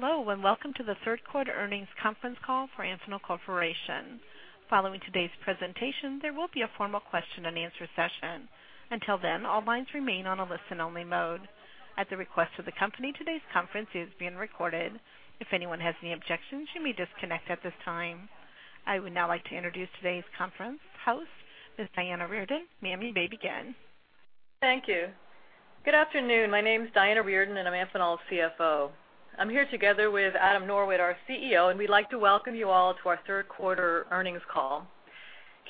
Hello, and welcome to the third quarter earnings conference call for Amphenol Corporation. Following today's presentation, there will be a formal question and answer session. Until then, all lines remain on a listen-only mode. At the request of the company, today's conference is being recorded. If anyone has any objections, you may disconnect at this time. I would now like to introduce today's conference host. This is Diana Reardon. May I maybe begin? Thank you. Good afternoon. My name is Diana Reardon, and I'm Amphenol's CFO. I'm here together with Adam Norwitt, our CEO, and we'd like to welcome you all to our third quarter earnings call.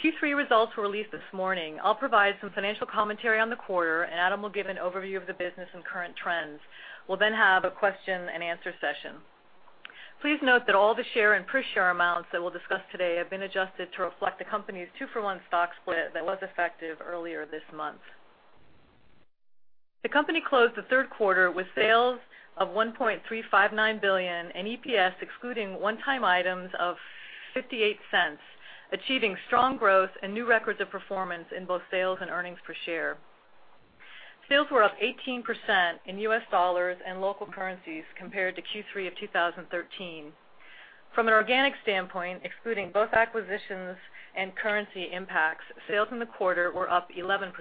Q3 results were released this morning. I'll provide some financial commentary on the quarter, and Adam will give an overview of the business and current trends. We'll then have a question and answer session. Please note that all the share and per-share amounts that we'll discuss today have been adjusted to reflect the company's two-for-one stock split that was effective earlier this month. The company closed the third quarter with sales of $1.359 billion and EPS excluding one-time items of $0.58, achieving strong growth and new records of performance in both sales and earnings per share. Sales were up 18% in US dollars and local currencies compared to Q3 of 2013. From an organic standpoint, excluding both acquisitions and currency impacts, sales in the quarter were up 11%.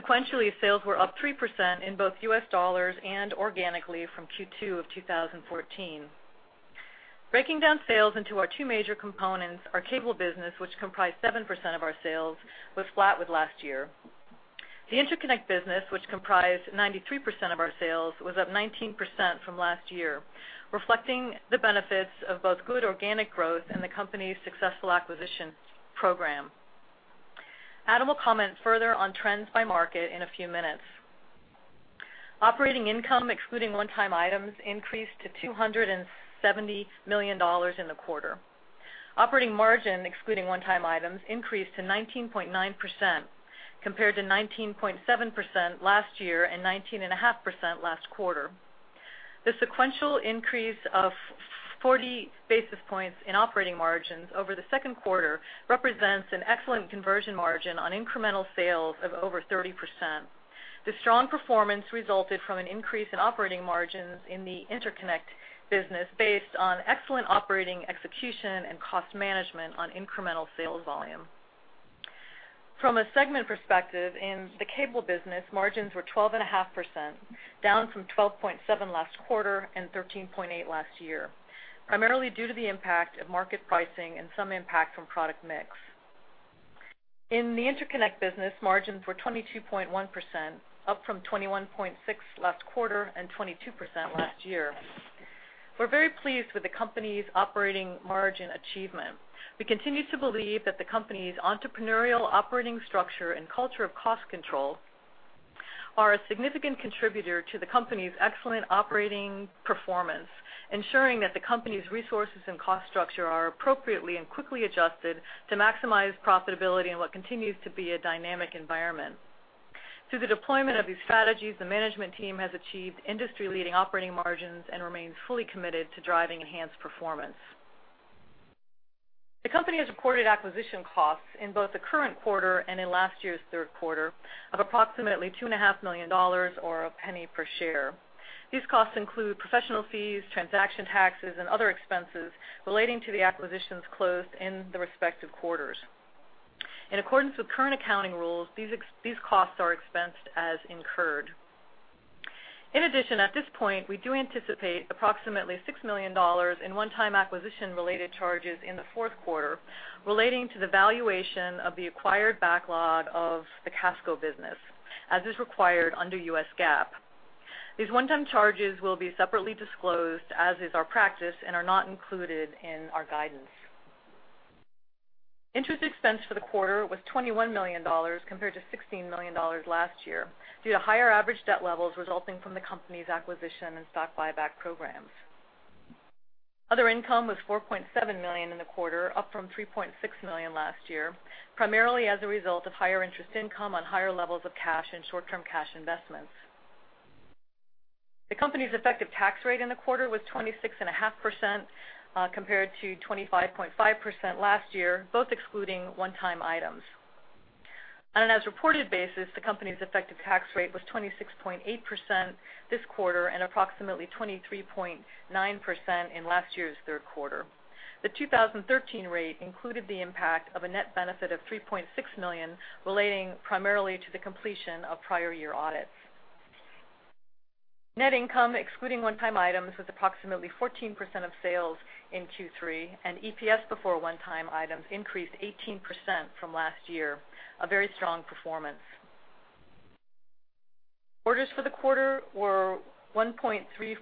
Sequentially, sales were up 3% in both US dollars and organically from Q2 of 2014. Breaking down sales into our two major components, our cable business, which comprised 7% of our sales, was flat with last year. The interconnect business, which comprised 93% of our sales, was up 19% from last year, reflecting the benefits of both good organic growth and the company's successful acquisition program. Adam will comment further on trends by market in a few minutes. Operating income, excluding one-time items, increased to $270 million in the quarter. Operating margin, excluding one-time items, increased to 19.9% compared to 19.7% last year and 19.5% last quarter. The sequential increase of 40 basis points in operating margins over the second quarter represents an excellent conversion margin on incremental sales of over 30%. The strong performance resulted from an increase in operating margins in the interconnect business based on excellent operating execution and cost management on incremental sales volume. From a segment perspective, in the cable business, margins were 12.5%, down from 12.7% last quarter and 13.8% last year, primarily due to the impact of market pricing and some impact from product mix. In the interconnect business, margins were 22.1%, up from 21.6% last quarter and 22% last year. We're very pleased with the company's operating margin achievement. We continue to believe that the company's entrepreneurial operating structure and culture of cost control are a significant contributor to the company's excellent operating performance, ensuring that the company's resources and cost structure are appropriately and quickly adjusted to maximize profitability in what continues to be a dynamic environment. Through the deployment of these strategies, the management team has achieved industry-leading operating margins and remains fully committed to driving enhanced performance. The company has recorded acquisition costs in both the current quarter and in last year's third quarter of approximately $2.5 million or $0.01 per share. These costs include professional fees, transaction taxes, and other expenses relating to the acquisitions closed in the respective quarters. In accordance with current accounting rules, these costs are expensed as incurred. In addition, at this point, we do anticipate approximately $6 million in one-time acquisition-related charges in the fourth quarter relating to the valuation of the acquired backlog of the Casco business, as is required under U.S. GAAP. These one-time charges will be separately disclosed, as is our practice, and are not included in our guidance. Interest expense for the quarter was $21 million compared to $16 million last year due to higher average debt levels resulting from the company's acquisition and stock buyback programs. Other income was $4.7 million in the quarter, up from $3.6 million last year, primarily as a result of higher interest income on higher levels of cash and short-term cash investments. The company's effective tax rate in the quarter was 26.5% compared to 25.5% last year, both excluding one-time items. On an as-reported basis, the company's effective tax rate was 26.8% this quarter and approximately 23.9% in last year's third quarter. The 2013 rate included the impact of a net benefit of $3.6 million relating primarily to the completion of prior year audits. Net income, excluding one-time items, was approximately 14% of sales in Q3, and EPS before one-time items increased 18% from last year, a very strong performance. Orders for the quarter were $1.342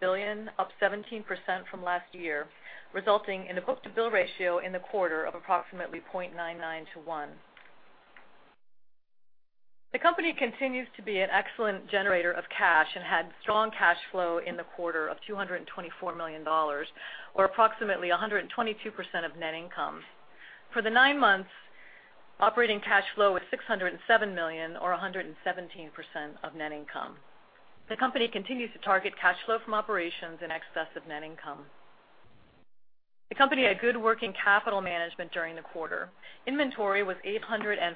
billion, up 17% from last year, resulting in a book-to-bill ratio in the quarter of approximately 0.99 to 1. The company continues to be an excellent generator of cash and had strong cash flow in the quarter of $224 million, or approximately 122% of net income. For the nine months, operating cash flow was $607 million, or 117% of net income. The company continues to target cash flow from operations in excess of net income. The company had good working capital management during the quarter. Inventory was $848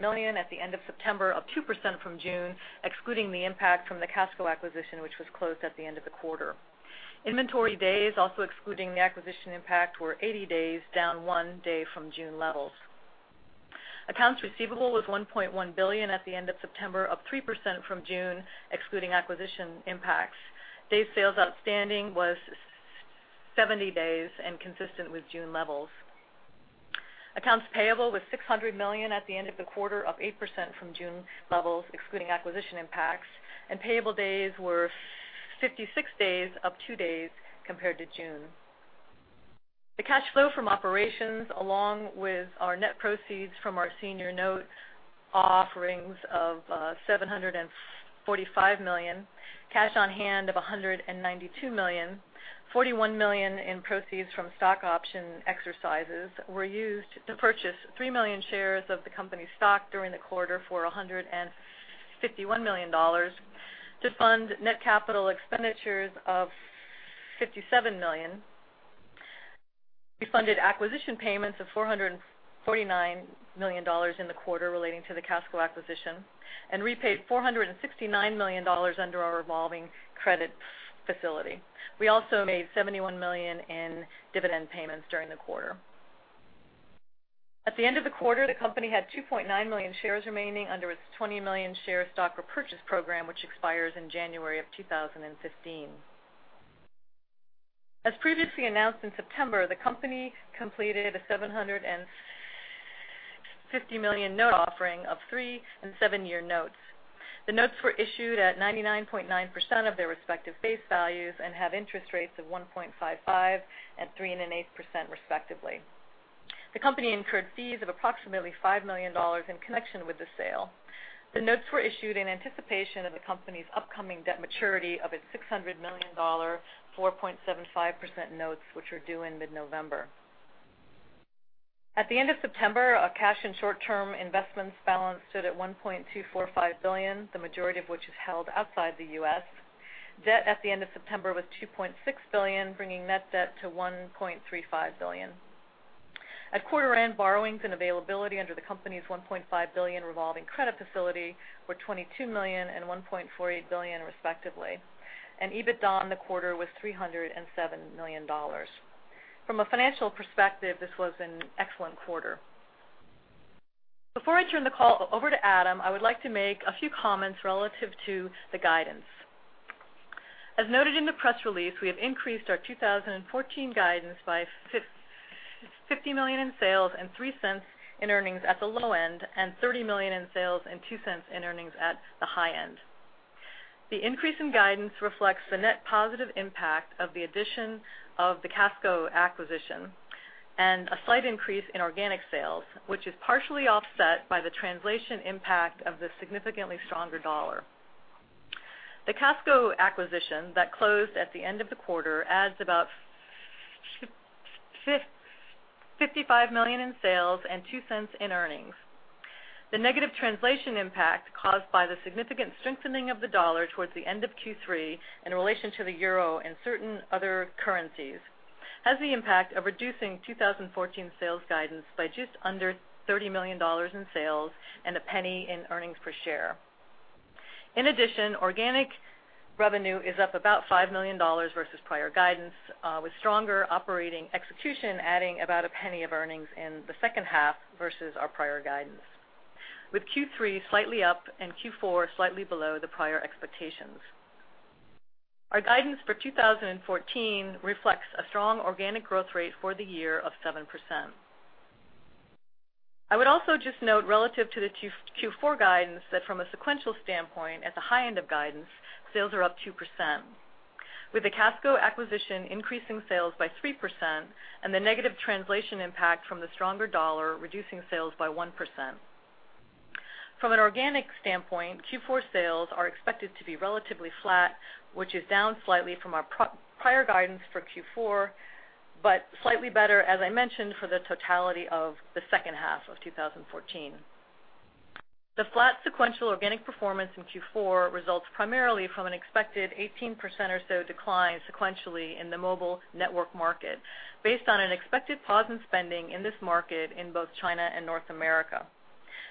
million at the end of September, up 2% from June, excluding the impact from the Casco acquisition, which was closed at the end of the quarter. Inventory days, also excluding the acquisition impact, were 80 days, down one day from June levels. Accounts receivable was $1.1 billion at the end of September, up 3% from June, excluding acquisition impacts. Days Sales Outstanding was 70 days and consistent with June levels. Accounts payable was $600 million at the end of the quarter, up 8% from June levels, excluding acquisition impacts. Payable days were 56 days, up 2 days compared to June. The cash flow from operations, along with our net proceeds from our senior note offerings of $745 million, cash on hand of $192 million, $41 million in proceeds from stock option exercises were used to purchase 3 million shares of the company's stock during the quarter for $151 million to fund net capital expenditures of $57 million. We funded acquisition payments of $449 million in the quarter relating to the Casco acquisition and repaid $469 million under our revolving credit facility. We also made $71 million in dividend payments during the quarter. At the end of the quarter, the company had 2.9 million shares remaining under its 20 million share stock repurchase program, which expires in January of 2015. As previously announced in September, the company completed a $750 million note offering of three and seven-year notes. The notes were issued at 99.9% of their respective face values and have interest rates of 1.55% and 3.8%, respectively. The company incurred fees of approximately $5 million in connection with the sale. The notes were issued in anticipation of the company's upcoming debt maturity of its $600 million, 4.75% notes, which are due in mid-November. At the end of September, our cash and short-term investments balance stood at $1.245 billion, the majority of which is held outside the U.S. Debt at the end of September was $2.6 billion, bringing net debt to $1.35 billion. At quarter-end, borrowings and availability under the company's $1.5 billion revolving credit facility were $22 million and $1.48 billion, respectively. EBITDA on the quarter was $307 million. From a financial perspective, this was an excellent quarter. Before I turn the call over to Adam, I would like to make a few comments relative to the guidance. As noted in the press release, we have increased our 2014 guidance by $50 million in sales and $0.03 in earnings at the low end, and $30 million in sales and $0.02 in earnings at the high end. The increase in guidance reflects the net positive impact of the addition of the Casco acquisition and a slight increase in organic sales, which is partially offset by the translation impact of the significantly stronger dollar. The Casco acquisition that closed at the end of the quarter adds about $55 million in sales and $0.02 in earnings. The negative translation impact caused by the significant strengthening of the dollar towards the end of Q3 in relation to the euro and certain other currencies has the impact of reducing 2014 sales guidance by just under $30 million in sales and $0.01 in earnings per share. In addition, organic revenue is up about $5 million versus prior guidance, with stronger operating execution adding about $0.01 of earnings in the second half versus our prior guidance, with Q3 slightly up and Q4 slightly below the prior expectations. Our guidance for 2014 reflects a strong organic growth rate for the year of 7%. I would also just note, relative to the Q4 guidance, that from a sequential standpoint, at the high end of guidance, sales are up 2%, with the Casco acquisition increasing sales by 3% and the negative translation impact from the stronger dollar reducing sales by 1%. From an organic standpoint, Q4 sales are expected to be relatively flat, which is down slightly from our prior guidance for Q4, but slightly better, as I mentioned, for the totality of the second half of 2014. The flat sequential organic performance in Q4 results primarily from an expected 18% or so decline sequentially in the mobile network market, based on an expected pause in spending in this market in both China and North America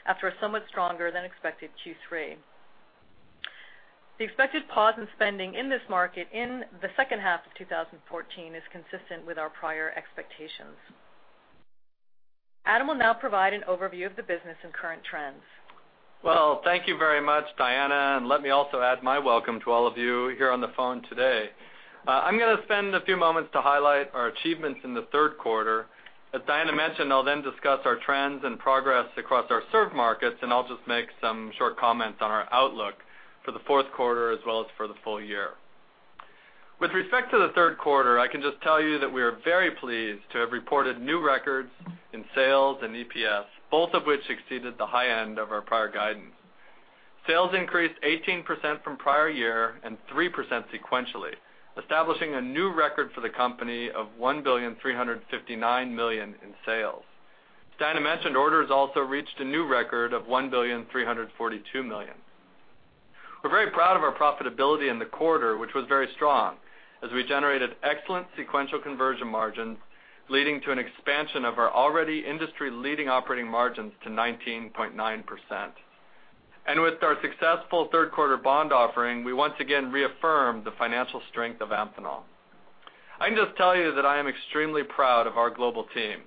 after a somewhat stronger-than-expected Q3. The expected pause in spending in this market in the second half of 2014 is consistent with our prior expectations. Adam will now provide an overview of the business and current trends. Well, thank you very much, Diana. Let me also add my welcome to all of you here on the phone today. I'm going to spend a few moments to highlight our achievements in the third quarter. As Diana mentioned, I'll then discuss our trends and progress across our served markets, and I'll just make some short comments on our outlook for the fourth quarter as well as for the full year. With respect to the third quarter, I can just tell you that we are very pleased to have reported new records in sales and EPS, both of which exceeded the high end of our prior guidance. Sales increased 18% from prior year and 3% sequentially, establishing a new record for the company of $1,359 million in sales. Diana mentioned orders also reached a new record of $1,342 million. We're very proud of our profitability in the quarter, which was very strong as we generated excellent sequential conversion margins, leading to an expansion of our already industry-leading operating margins to 19.9%. With our successful third-quarter bond offering, we once again reaffirmed the financial strength of Amphenol. I can just tell you that I am extremely proud of our global team,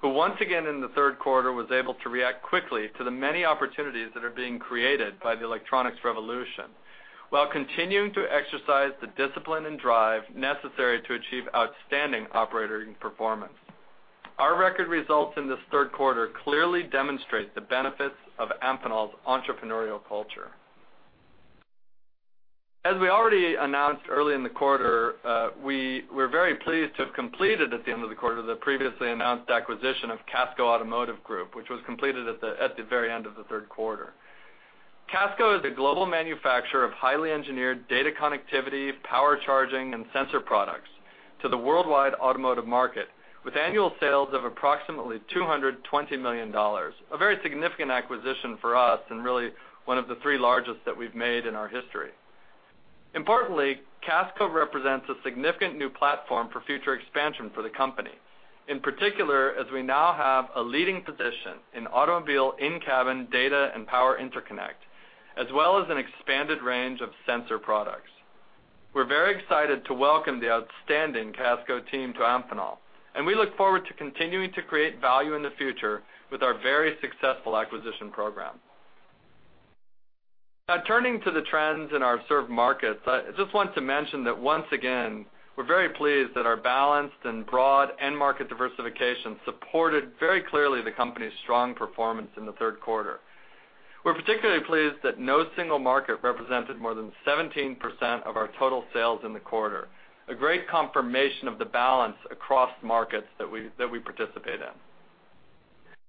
who once again in the third quarter was able to react quickly to the many opportunities that are being created by the electronics revolution while continuing to exercise the discipline and drive necessary to achieve outstanding operating performance. Our record results in this third quarter clearly demonstrate the benefits of Amphenol's entrepreneurial culture. As we already announced early in the quarter, we're very pleased to have completed, at the end of the quarter, the previously announced acquisition of Casco Automotive Group, which was completed at the very end of the third quarter. Casco is a global manufacturer of highly engineered data connectivity, power charging, and sensor products to the worldwide automotive market, with annual sales of approximately $220 million, a very significant acquisition for us and really one of the three largest that we've made in our history. Importantly, Casco represents a significant new platform for future expansion for the company, in particular as we now have a leading position in automobile in-cabin data and power interconnect, as well as an expanded range of sensor products. We're very excited to welcome the outstanding Casco team to Amphenol, and we look forward to continuing to create value in the future with our very successful acquisition program. Now, turning to the trends in our served markets, I just want to mention that once again, we're very pleased that our balanced and broad end-market diversification supported very clearly the company's strong performance in the third quarter. We're particularly pleased that no single market represented more than 17% of our total sales in the quarter, a great confirmation of the balance across markets that we participate in.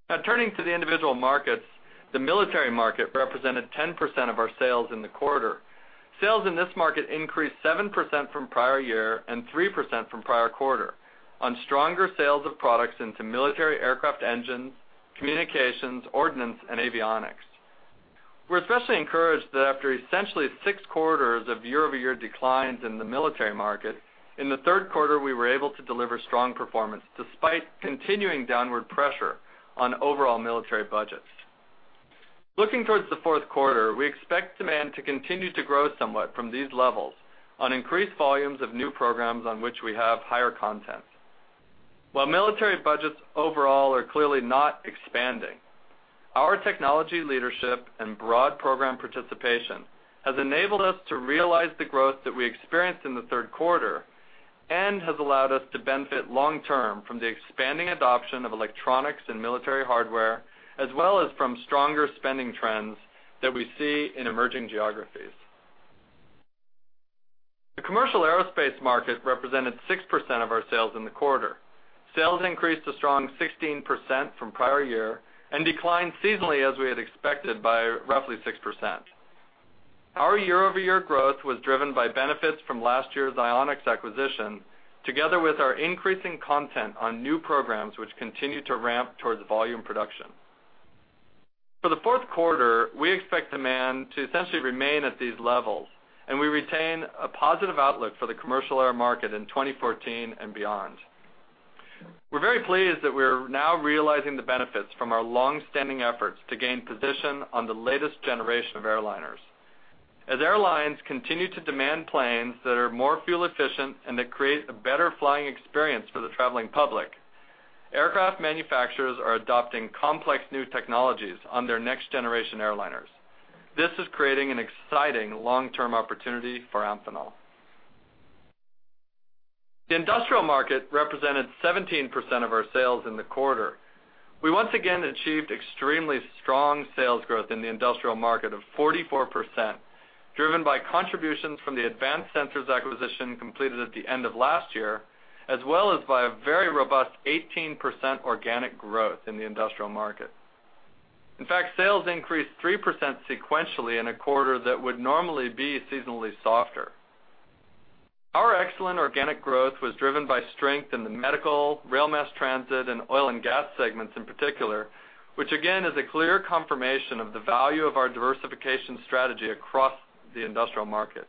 Now, turning to the individual markets, the military market represented 10% of our sales in the quarter. Sales in this market increased 7% from prior year and 3% from prior quarter on stronger sales of products into military aircraft engines, communications, ordnance, and avionics. We're especially encouraged that after essentially 6 quarters of year-over-year declines in the military market, in the third quarter, we were able to deliver strong performance despite continuing downward pressure on overall military budgets. Looking towards the fourth quarter, we expect demand to continue to grow somewhat from these levels on increased volumes of new programs on which we have higher content. While military budgets overall are clearly not expanding, our technology leadership and broad program participation has enabled us to realize the growth that we experienced in the third quarter and has allowed us to benefit long-term from the expanding adoption of electronics and military hardware, as well as from stronger spending trends that we see in emerging geographies. The commercial aerospace market represented 6% of our sales in the quarter. Sales increased a strong 16% from prior year and declined seasonally, as we had expected, by roughly 6%. Our year-over-year growth was driven by benefits from last year's Ionix acquisition, together with our increasing content on new programs, which continue to ramp towards volume production. For the fourth quarter, we expect demand to essentially remain at these levels, and we retain a positive outlook for the commercial air market in 2014 and beyond. We're very pleased that we're now realizing the benefits from our long-standing efforts to gain position on the latest generation of airliners. As airlines continue to demand planes that are more fuel-efficient and that create a better flying experience for the traveling public, aircraft manufacturers are adopting complex new technologies on their next-generation airliners. This is creating an exciting long-term opportunity for Amphenol. The industrial market represented 17% of our sales in the quarter. We once again achieved extremely strong sales growth in the industrial market of 44%, driven by contributions from the Advanced Sensors acquisition completed at the end of last year, as well as by a very robust 18% organic growth in the industrial market. In fact, sales increased 3% sequentially in a quarter that would normally be seasonally softer. Our excellent organic growth was driven by strength in the medical, rail mass transit, and oil and gas segments in particular, which again is a clear confirmation of the value of our diversification strategy across the industrial market.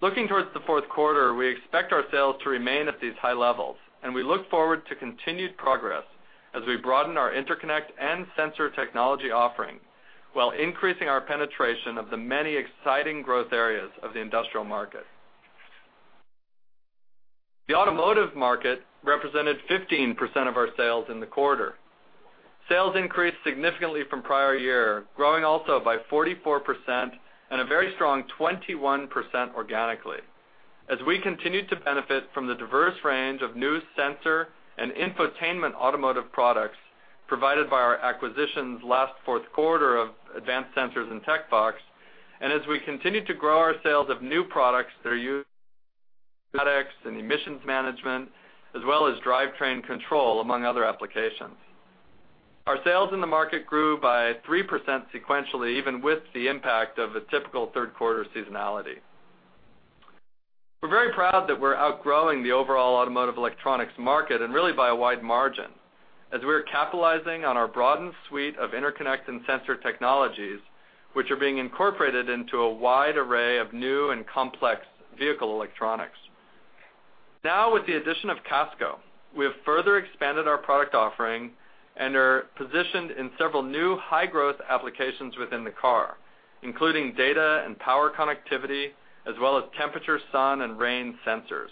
Looking towards the fourth quarter, we expect our sales to remain at these high levels, and we look forward to continued progress as we broaden our interconnect and sensor technology offering while increasing our penetration of the many exciting growth areas of the industrial market. The automotive market represented 15% of our sales in the quarter. Sales increased significantly from prior year, growing also by 44% and a very strong 21% organically, as we continue to benefit from the diverse range of new sensor and infotainment automotive products provided by our acquisitions last fourth quarter of Advanced Sensors and Tecvox, and as we continue to grow our sales of new products that are used for products and emissions management, as well as drivetrain control, among other applications. Our sales in the market grew by 3% sequentially, even with the impact of a typical third-quarter seasonality. We're very proud that we're outgrowing the overall automotive electronics market, and really by a wide margin, as we're capitalizing on our broadened suite of interconnect and sensor technologies, which are being incorporated into a wide array of new and complex vehicle electronics. Now, with the addition of Casco, we have further expanded our product offering and are positioned in several new high-growth applications within the car, including data and power connectivity, as well as temperature, sun, and rain sensors.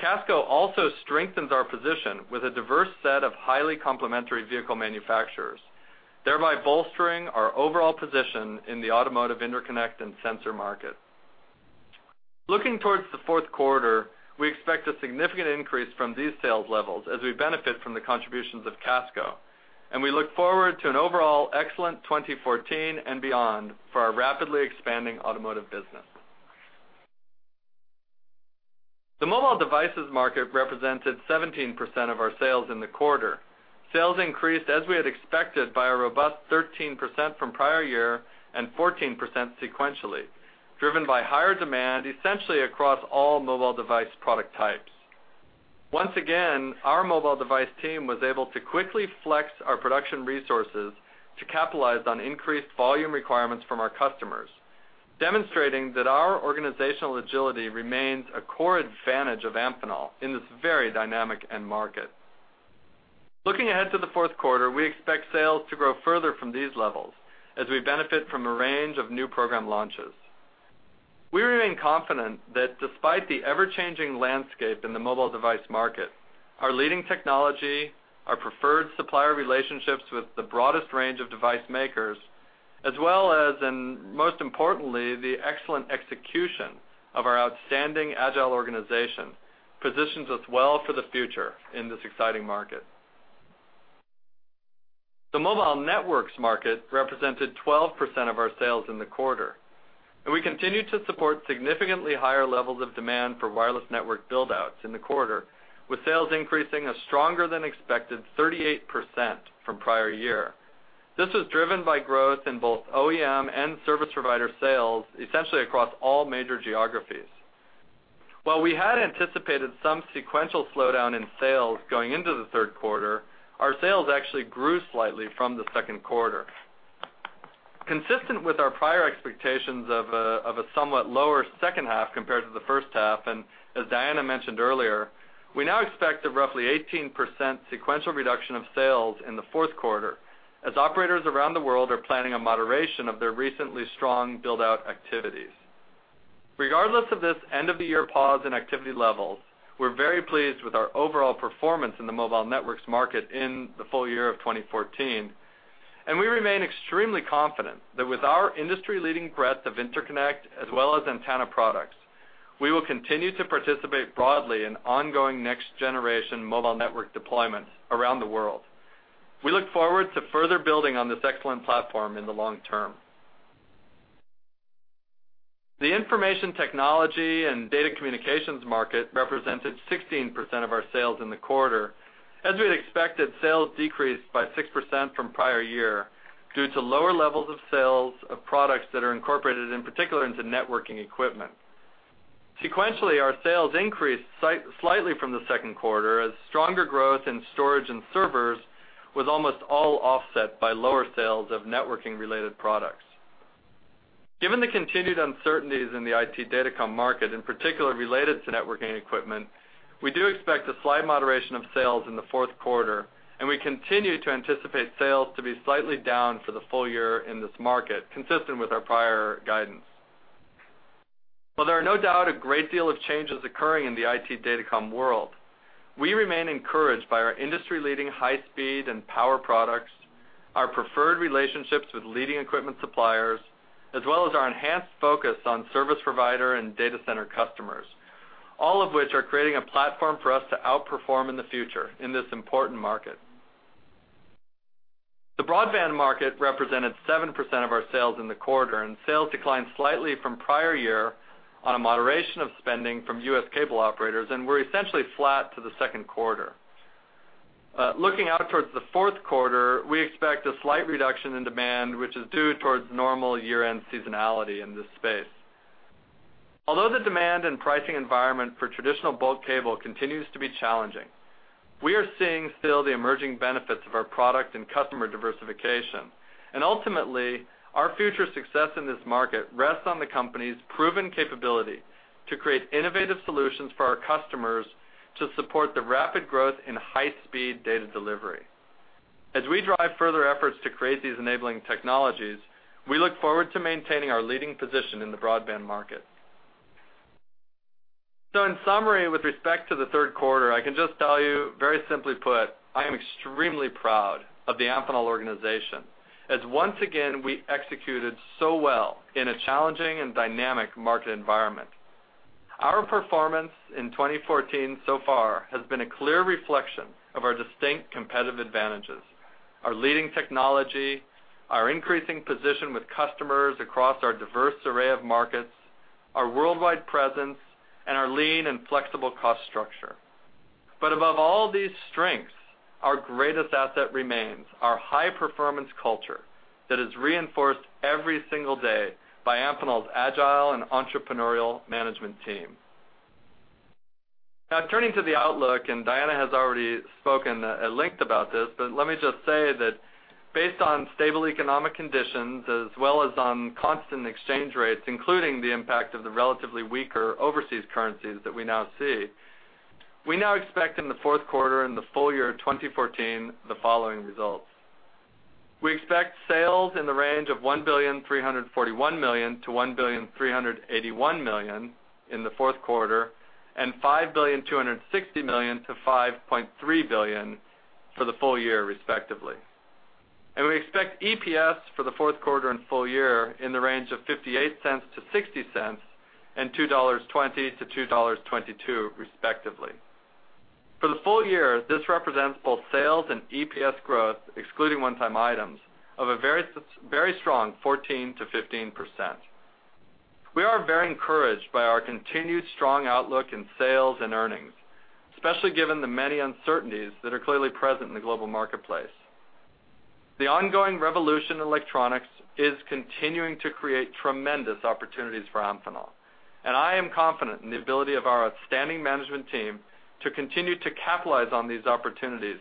Casco also strengthens our position with a diverse set of highly complementary vehicle manufacturers, thereby bolstering our overall position in the automotive interconnect and sensor market. Looking towards the fourth quarter, we expect a significant increase from these sales levels as we benefit from the contributions of Casco, and we look forward to an overall excellent 2014 and beyond for our rapidly expanding automotive business. The mobile devices market represented 17% of our sales in the quarter. Sales increased, as we had expected, by a robust 13% from prior year and 14% sequentially, driven by higher demand essentially across all mobile device product types. Once again, our mobile device team was able to quickly flex our production resources to capitalize on increased volume requirements from our customers, demonstrating that our organizational agility remains a core advantage of Amphenol in this very dynamic end market. Looking ahead to the fourth quarter, we expect sales to grow further from these levels as we benefit from a range of new program launches. We remain confident that despite the ever-changing landscape in the mobile device market, our leading technology, our preferred supplier relationships with the broadest range of device makers, as well as, and most importantly, the excellent execution of our outstanding agile organization positions us well for the future in this exciting market. The mobile networks market represented 12% of our sales in the quarter, and we continue to support significantly higher levels of demand for wireless network buildouts in the quarter, with sales increasing a stronger-than-expected 38% from prior year. This was driven by growth in both OEM and service provider sales, essentially across all major geographies. While we had anticipated some sequential slowdown in sales going into the third quarter, our sales actually grew slightly from the second quarter, consistent with our prior expectations of a somewhat lower second half compared to the first half. As Diana mentioned earlier, we now expect a roughly 18% sequential reduction of sales in the fourth quarter as operators around the world are planning a moderation of their recently strong buildout activities. Regardless of this end-of-the-year pause in activity levels, we're very pleased with our overall performance in the mobile networks market in the full year of 2014, and we remain extremely confident that with our industry-leading breadth of interconnect as well as antenna products, we will continue to participate broadly in ongoing next-generation mobile network deployments around the world. We look forward to further building on this excellent platform in the long term. The information technology and data communications market represented 16% of our sales in the quarter. As we had expected, sales decreased by 6% from prior year due to lower levels of sales of products that are incorporated, in particular, into networking equipment. Sequentially, our sales increased slightly from the second quarter as stronger growth in storage and servers was almost all offset by lower sales of networking-related products. Given the continued uncertainties in the IT Datacom market, in particular related to networking equipment, we do expect a slight moderation of sales in the fourth quarter, and we continue to anticipate sales to be slightly down for the full year in this market, consistent with our prior guidance. While there are no doubt a great deal of changes occurring in the IT Datacom world, we remain encouraged by our industry-leading high-speed and power products, our preferred relationships with leading equipment suppliers, as well as our enhanced focus on service provider and data center customers, all of which are creating a platform for us to outperform in the future in this important market. The broadband market represented 7% of our sales in the quarter, and sales declined slightly from prior year on a moderation of spending from U.S. cable operators, and we're essentially flat to the second quarter. Looking out towards the fourth quarter, we expect a slight reduction in demand, which is due towards normal year-end seasonality in this space. Although the demand and pricing environment for traditional bulk cable continues to be challenging, we are seeing still the emerging benefits of our product and customer diversification, and ultimately, our future success in this market rests on the company's proven capability to create innovative solutions for our customers to support the rapid growth in high-speed data delivery. As we drive further efforts to create these enabling technologies, we look forward to maintaining our leading position in the broadband market. So, in summary, with respect to the third quarter, I can just tell you, very simply put, I am extremely proud of the Amphenol organization as once again we executed so well in a challenging and dynamic market environment. Our performance in 2014 so far has been a clear reflection of our distinct competitive advantages: our leading technology, our increasing position with customers across our diverse array of markets, our worldwide presence, and our lean and flexible cost structure. But above all these strengths, our greatest asset remains our high-performance culture that is reinforced every single day by Amphenol's agile and entrepreneurial management team. Now, turning to the outlook, and Diana has already spoken and touched about this, but let me just say that based on stable economic conditions, as well as on constant exchange rates, including the impact of the relatively weaker overseas currencies that we now see, we now expect in the fourth quarter and the full year of 2014 the following results. We expect sales in the range of $1.341 billion-$1.381 billion in the fourth quarter and $5.26 billion-$5.3 billion for the full year, respectively. We expect EPS for the fourth quarter and full year in the range of $0.58-$0.60 and $2.20-$2.22, respectively. For the full year, this represents both sales and EPS growth, excluding one-time items, of a very strong 14%-15%. We are very encouraged by our continued strong outlook in sales and earnings, especially given the many uncertainties that are clearly present in the global marketplace. The ongoing revolution in electronics is continuing to create tremendous opportunities for Amphenol, and I am confident in the ability of our outstanding management team to continue to capitalize on these opportunities,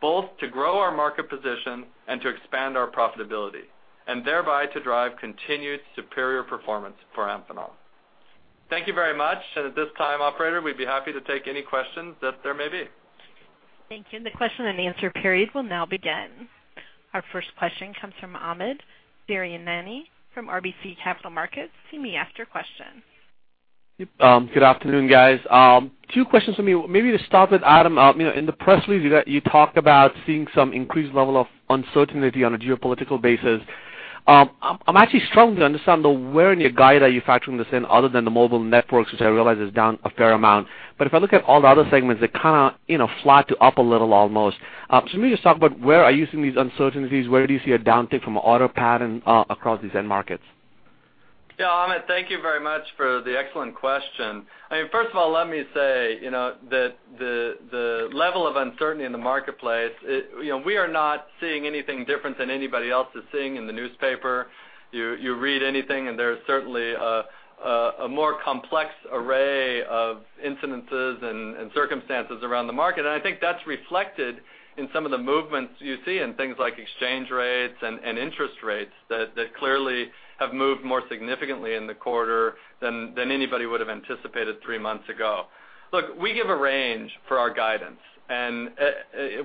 both to grow our market position and to expand our profitability, and thereby to drive continued superior performance for Amphenol. Thank you very much, and at this time, Operator, we'd be happy to take any questions that there may be. Thank you. The question and answer period will now begin. Our first question comes from Amit Daryanani from RBC Capital Markets. Good afternoon, guys. Two questions for me. Maybe to start with, Adam, in the press release, you talk about seeing some increased level of uncertainty on a geopolitical basis. I'm actually struggling to understand where in your guide are you factoring this in other than the mobile networks, which I realize is down a fair amount. But if I look at all the other segments, they're kind of flat to up a little almost. So maybe just talk about where are you seeing these uncertainties? Where do you see a downtick from an order pattern across these end markets? Yeah, Amit, thank you very much for the excellent question. I mean, first of all, let me say that the level of uncertainty in the marketplace, we are not seeing anything different than anybody else is seeing in the newspaper. You read anything, and there's certainly a more complex array of incidences and circumstances around the market, and I think that's reflected in some of the movements you see in things like exchange rates and interest rates that clearly have moved more significantly in the quarter than anybody would have anticipated three months ago. Look, we give a range for our guidance, and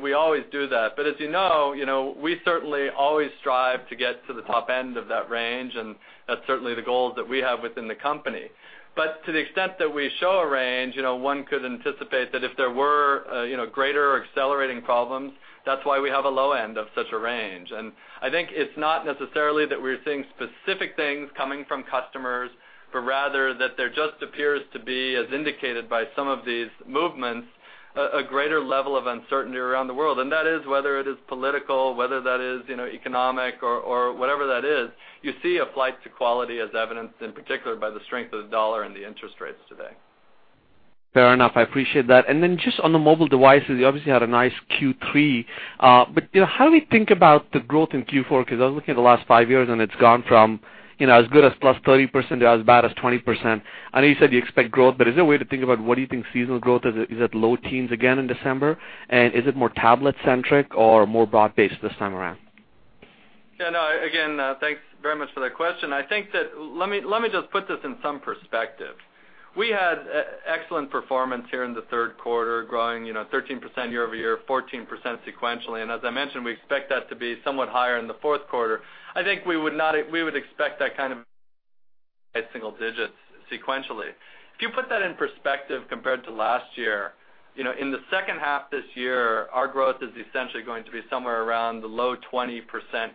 we always do that. But as you know, we certainly always strive to get to the top end of that range, and that's certainly the goals that we have within the company. But to the extent that we show a range, one could anticipate that if there were greater accelerating problems, that's why we have a low end of such a range. And I think it's not necessarily that we're seeing specific things coming from customers, but rather that there just appears to be, as indicated by some of these movements, a greater level of uncertainty around the world. And that is whether it is political, whether that is economic, or whatever that is, you see a flight to quality as evidenced in particular by the strength of the US dollar and the interest rates today. Fair enough. I appreciate that. And then just on the mobile devices, you obviously had a nice Q3. But how do we think about the growth in Q4? Because I was looking at the last five years, and it's gone from as good as +30% to as bad as 20%. I know you said you expect growth, but is there a way to think about what do you think seasonal growth is at low teens again in December? And is it more tablet-centric or more broad-based this time around? Yeah, no, again, thanks very much for that question. I think that let me just put this in some perspective. We had excellent performance here in the third quarter, growing 13% year-over-year, 14% sequentially. And as I mentioned, we expect that to be somewhat higher in the fourth quarter. I think we would expect that kind of single digits sequentially. If you put that in perspective compared to last year, in the second half this year, our growth is essentially going to be somewhere around the low 20%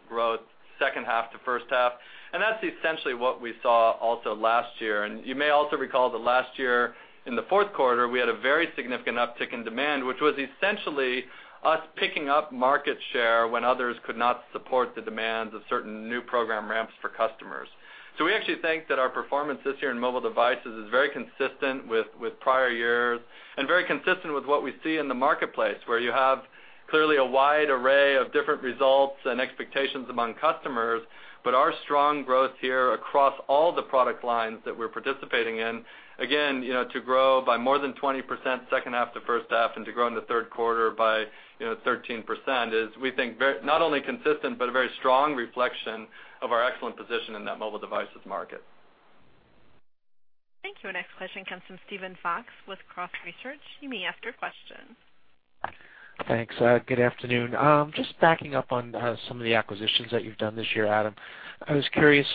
growth, second half to first half. And that's essentially what we saw also last year. And you may also recall that last year in the fourth quarter, we had a very significant uptick in demand, which was essentially us picking up market share when others could not support the demands of certain new program ramps for customers. So we actually think that our performance this year in mobile devices is very consistent with prior years and very consistent with what we see in the marketplace, where you have clearly a wide array of different results and expectations among customers. But our strong growth here across all the product lines that we're participating in, again, to grow by more than 20% second half to first half and to grow in the third quarter by 13% is, we think, not only consistent but a very strong reflection of our excellent position in that mobile devices market. Thank you. Our next question comes from Steven Fox with Cross Research. You may ask your question. Thanks. Good afternoon. Just backing up on some of the acquisitions that you've done this year, Adam, I was curious,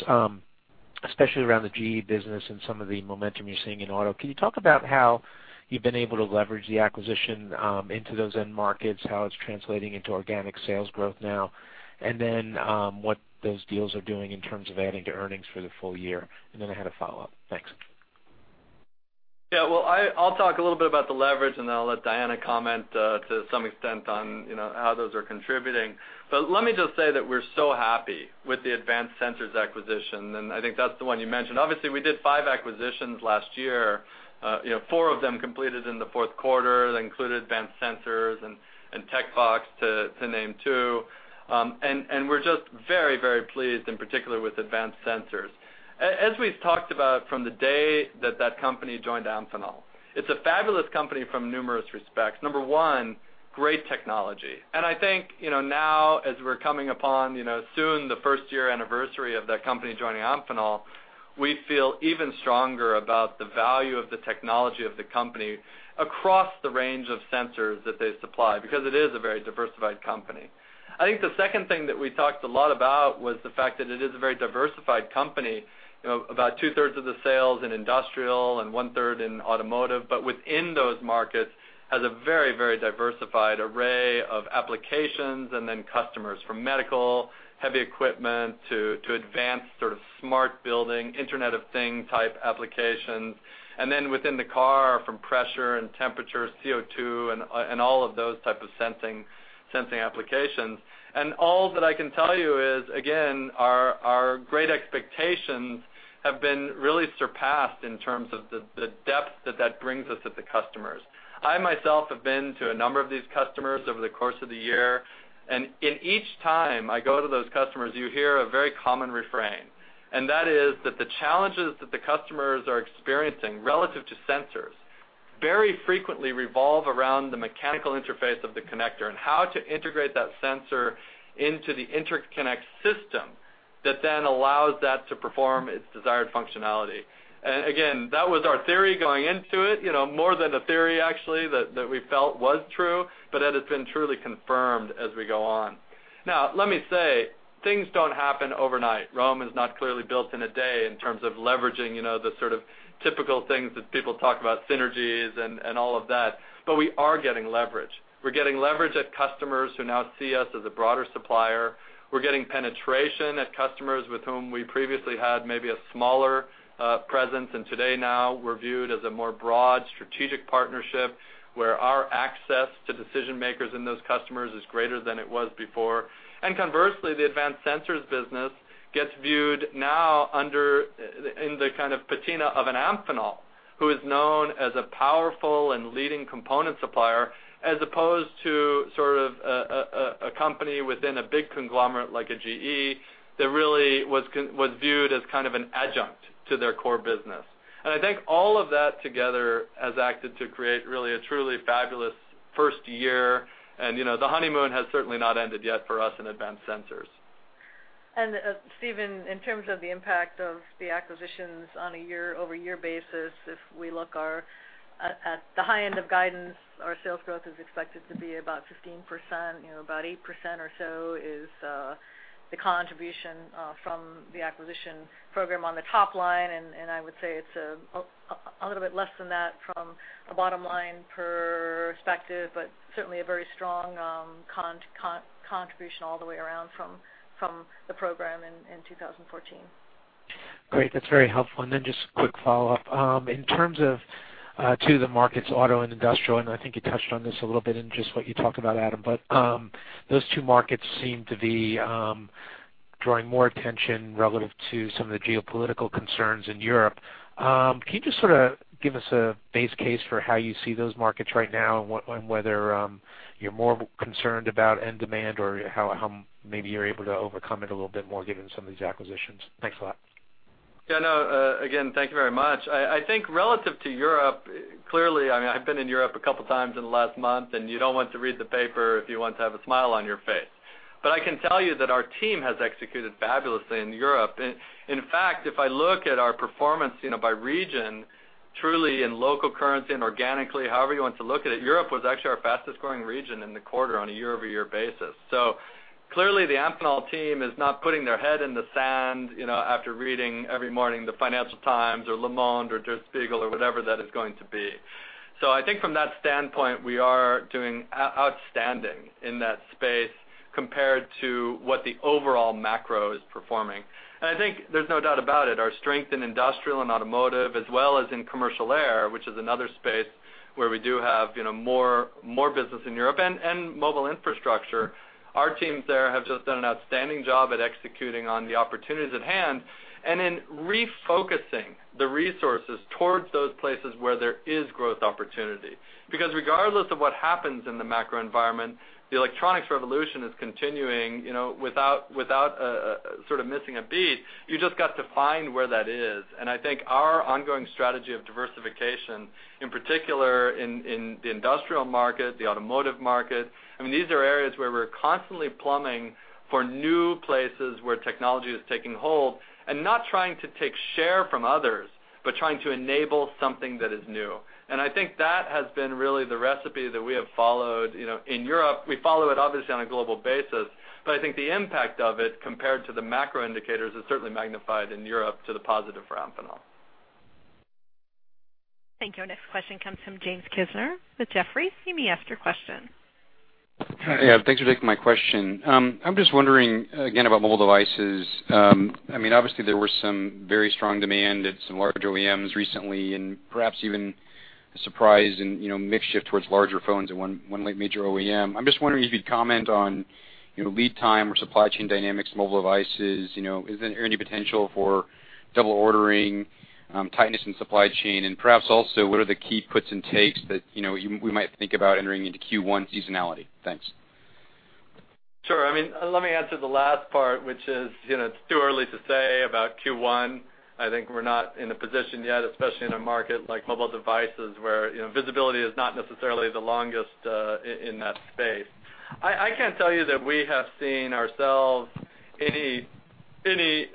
especially around the GE business and some of the momentum you're seeing in auto. Can you talk about how you've been able to leverage the acquisition into those end markets, how it's translating into organic sales growth now, and then what those deals are doing in terms of adding to earnings for the full year? Then I had a follow-up. Thanks. Yeah, well, I'll talk a little bit about the leverage, and then I'll let Diana comment to some extent on how those are contributing. But let me just say that we're so happy with the Advanced Sensors acquisition, and I think that's the one you mentioned. Obviously, we did five acquisitions last year, four of them completed in the fourth quarter, that included Advanced Sensors and Tecvox, to name two. And we're just very, very pleased, in particular with Advanced Sensors. As we've talked about from the day that that company joined Amphenol, it's a fabulous company from numerous respects. Number one, great technology. And I think now, as we're coming upon soon the first-year anniversary of that company joining Amphenol, we feel even stronger about the value of the technology of the company across the range of sensors that they supply because it is a very diversified company. I think the second thing that we talked a lot about was the fact that it is a very diversified company. About two-thirds of the sales in industrial and one-third in automotive, but within those markets, has a very, very diversified array of applications and then customers for medical, heavy equipment, to advanced sort of smart building, Internet of Things type applications, and then within the car from pressure and temperature, CO2, and all of those types of sensing applications. And all that I can tell you is, again, our great expectations have been really surpassed in terms of the depth that that brings us at the customers. I myself have been to a number of these customers over the course of the year, and in each time I go to those customers, you hear a very common refrain, and that is that the challenges that the customers are experiencing relative to sensors very frequently revolve around the mechanical interface of the connector and how to integrate that sensor into the interconnect system that then allows that to perform its desired functionality. And again, that was our theory going into it, more than a theory, actually, that we felt was true, but that has been truly confirmed as we go on. Now, let me say, things don't happen overnight. Rome is not clearly built in a day in terms of leveraging the sort of typical things that people talk about, synergies and all of that. But we are getting leverage. We're getting leverage at customers who now see us as a broader supplier. We're getting penetration at customers with whom we previously had maybe a smaller presence, and today now we're viewed as a more broad strategic partnership where our access to decision-makers in those customers is greater than it was before. And conversely, the Advanced Sensors business gets viewed now in the kind of patina of an Amphenol, who is known as a powerful and leading component supplier, as opposed to sort of a company within a big conglomerate like a GE that really was viewed as kind of an adjunct to their core business. I think all of that together has acted to create really a truly fabulous first year, and the honeymoon has certainly not ended yet for us in Advanced Sensors. Steven, in terms of the impact of the acquisitions on a year-over-year basis, if we look at the high end of guidance, our sales growth is expected to be about 15%. About 8% or so is the contribution from the acquisition program on the top line, and I would say it's a little bit less than that from a bottom-line perspective, but certainly a very strong contribution all the way around from the program in 2014. Great. That's very helpful. And then just a quick follow-up. In terms of two of the markets, auto and industrial, and I think you touched on this a little bit in just what you talked about, Adam, but those two markets seem to be drawing more attention relative to some of the geopolitical concerns in Europe. Can you just sort of give us a base case for how you see those markets right now and whether you're more concerned about end demand or how maybe you're able to overcome it a little bit more given some of these acquisitions? Thanks a lot. Yeah, no, again, thank you very much. I think relative to Europe, clearly, I mean, I've been in Europe a couple of times in the last month, and you don't want to read the paper if you want to have a smile on your face. But I can tell you that our team has executed fabulously in Europe. In fact, if I look at our performance by region, truly in local currency and organically, however you want to look at it, Europe was actually our fastest-growing region in the quarter on a year-over-year basis. So clearly, the Amphenol team is not putting their head in the sand after reading every morning the Financial Times or Le Monde or Der Spiegel or whatever that is going to be. So I think from that standpoint, we are doing outstanding in that space compared to what the overall macro is performing. And I think there's no doubt about it. Our strength in industrial and automotive, as well as in commercial air, which is another space where we do have more business in Europe, and mobile infrastructure, our teams there have just done an outstanding job at executing on the opportunities at hand and in refocusing the resources towards those places where there is growth opportunity. Because regardless of what happens in the macro environment, the electronics revolution is continuing without sort of missing a beat. You just got to find where that is. And I think our ongoing strategy of diversification, in particular in the industrial market, the automotive market, I mean, these are areas where we're constantly plumbing for new places where technology is taking hold and not trying to take share from others, but trying to enable something that is new. And I think that has been really the recipe that we have followed in Europe. We follow it obviously on a global basis, but I think the impact of it compared to the macro indicators is certainly magnified in Europe to the positive for Amphenol. Thank you. Our next question comes from James Kisner with Jefferies. You may ask your question. Hi, Adam. Thanks for taking my question. I'm just wondering again about mobile devices. I mean, obviously, there was some very strong demand at some large OEMs recently and perhaps even a surprise and makeshift towards larger phones at one major OEM. I'm just wondering if you'd comment on lead time or supply chain dynamics of mobile devices. Is there any potential for double ordering, tightness in supply chain, and perhaps also what are the key puts and takes that we might think about entering into Q1 seasonality? Thanks. Sure. I mean, let me answer the last part, which is it's too early to say about Q1. I think we're not in a position yet, especially in a market like mobile devices where visibility is not necessarily the longest in that space. I can't tell you that we have seen ourselves any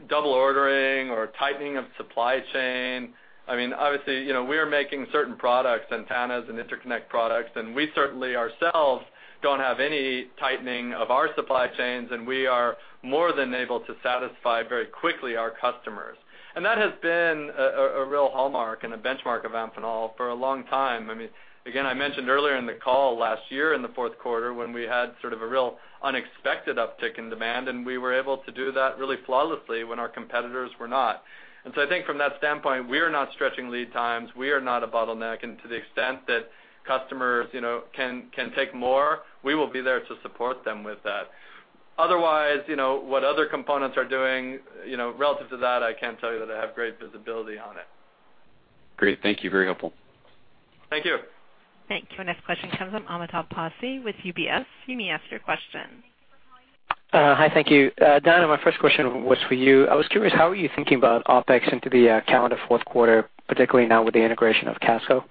double ordering or tightening of supply chain. I mean, obviously, we are making certain products, antennas and interconnect products, and we certainly ourselves don't have any tightening of our supply chains, and we are more than able to satisfy very quickly our customers. That has been a real hallmark and a benchmark of Amphenol for a long time. I mean, again, I mentioned earlier in the call last year in the fourth quarter when we had sort of a real unexpected uptick in demand, and we were able to do that really flawlessly when our competitors were not. And so I think from that standpoint, we are not stretching lead times. We are not a bottleneck. And to the extent that customers can take more, we will be there to support them with that. Otherwise, what other components are doing relative to that, I can't tell you that I have great visibility on it. Great. Thank you. Very helpful. Thank you. Thank you. Our next question comes from Amitabh Passi with UBS. You may ask your question. Hi. Thank you. Diana, my first question was for you. I was curious, how are you thinking about OPEX into the calendar fourth quarter, particularly now with the integration of Casco?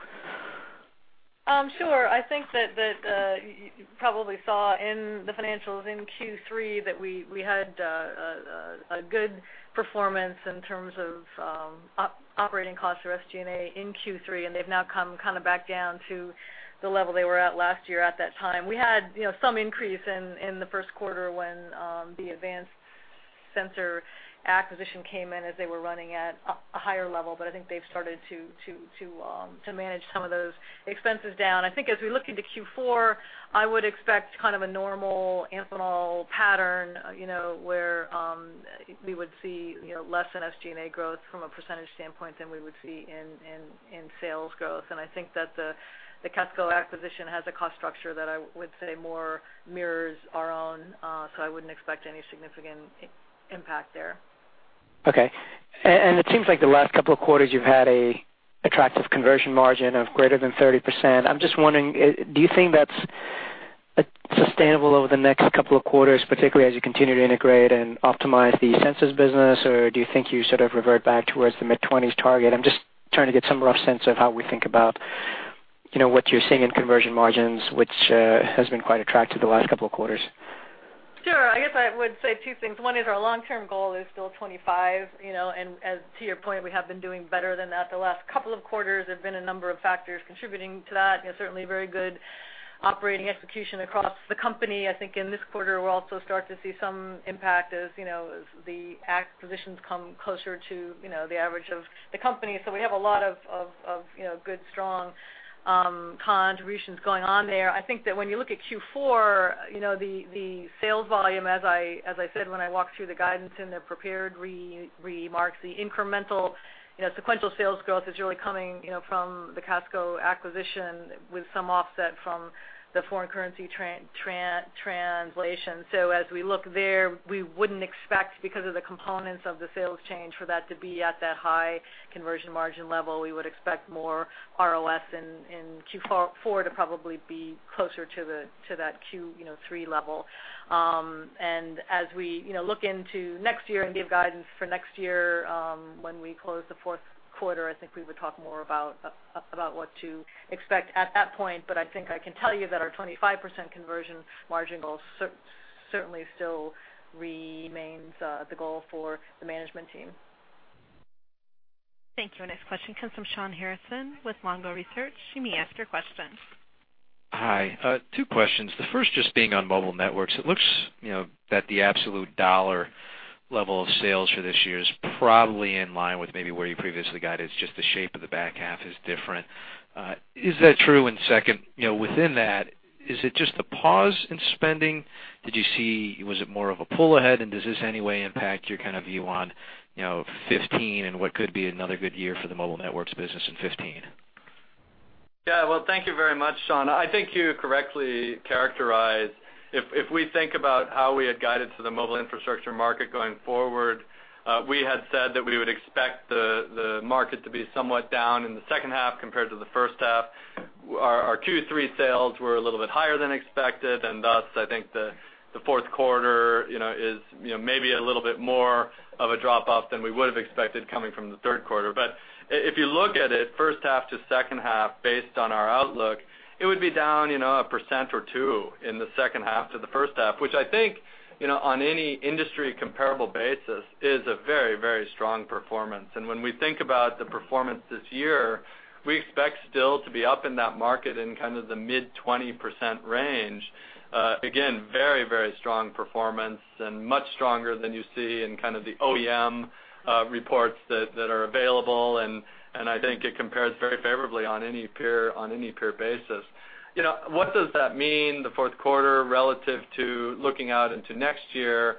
Sure. I think that you probably saw in the financials in Q3 that we had a good performance in terms of operating costs or SG&A in Q3, and they've now come kind of back down to the level they were at last year at that time. We had some increase in the first quarter when the Advanced Sensors acquisition came in as they were running at a higher level, but I think they've started to manage some of those expenses down. I think as we look into Q4, I would expect kind of a normal Amphenol pattern where we would see less in SG&A growth from a percentage standpoint than we would see in sales growth. And I think that the Casco acquisition has a cost structure that I would say more mirrors our own, so I wouldn't expect any significant impact there. Okay. It seems like the last couple of quarters you've had an attractive conversion margin of greater than 30%. I'm just wondering, do you think that's sustainable over the next couple of quarters, particularly as you continue to integrate and optimize the sensors business, or do you think you sort of revert back towards the mid-20s target? I'm just trying to get some rough sense of how we think about what you're seeing in conversion margins, which has been quite attractive the last couple of quarters. Sure. I guess I would say two things. One is our long-term goal is still 25%, and to your point, we have been doing better than that the last couple of quarters. There have been a number of factors contributing to that. Certainly, very good operating execution across the company. I think in this quarter, we'll also start to see some impact as the acquisitions come closer to the average of the company. So we have a lot of good, strong contributions going on there. I think that when you look at Q4, the sales volume, as I said when I walked through the guidance and the prepared remarks, the incremental sequential sales growth is really coming from the Casco acquisition with some offset from the foreign currency translation. So as we look there, we wouldn't expect, because of the components of the sales change, for that to be at that high conversion margin level. We would expect more ROS in Q4 to probably be closer to that Q3 level. And as we look into next year and give guidance for next year when we close the fourth quarter, I think we would talk more about what to expect at that point. But I think I can tell you that our 25% conversion margin goal certainly still remains the goal for the management team. Thank you. Our next question comes from Shawn Harrison with Longbow Research. You may ask your question. Hi. Two questions. The first, just being on mobile networks, it looks that the absolute dollar level of sales for this year is probably in line with maybe where you previously guided, just the shape of the back half is different. Is that true? And second, within that, is it just a pause in spending? Did you see was it more of a pull ahead, and does this in any way impact your kind of view on 2015 and what could be another good year for the mobile networks business in 2015? Yeah. Well, thank you very much, Shawn. I think you correctly characterized. If we think about how we had guided to the mobile infrastructure market going forward, we had said that we would expect the market to be somewhat down in the second half compared to the first half. Our Q3 sales were a little bit higher than expected, and thus I think the fourth quarter is maybe a little bit more of a drop-off than we would have expected coming from the third quarter. But if you look at it, first half to second half, based on our outlook, it would be down 1% or 2% in the second half to the first half, which I think on any industry comparable basis is a very, very strong performance. And when we think about the performance this year, we expect still to be up in that market in kind of the mid-20% range. Again, very, very strong performance and much stronger than you see in kind of the OEM reports that are available, and I think it compares very favorably on any peer basis. What does that mean, the fourth quarter, relative to looking out into next year?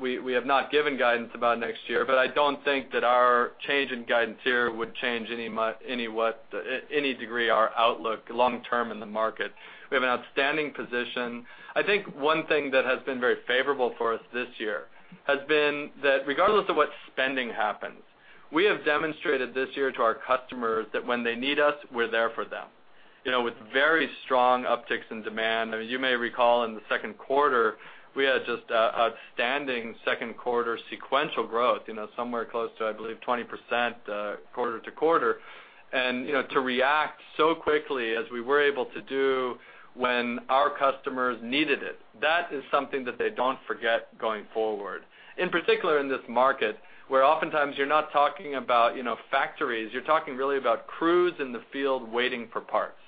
We have not given guidance about next year, but I don't think that our change in guidance here would change any degree our outlook long-term in the market. We have an outstanding position. I think one thing that has been very favorable for us this year has been that regardless of what spending happens, we have demonstrated this year to our customers that when they need us, we're there for them with very strong upticks in demand. I mean, you may recall in the second quarter, we had just outstanding second quarter sequential growth, somewhere close to, I believe, 20% quarter to quarter. And to react so quickly as we were able to do when our customers needed it, that is something that they don't forget going forward. In particular, in this market where oftentimes you're not talking about factories, you're talking really about crews in the field waiting for parts.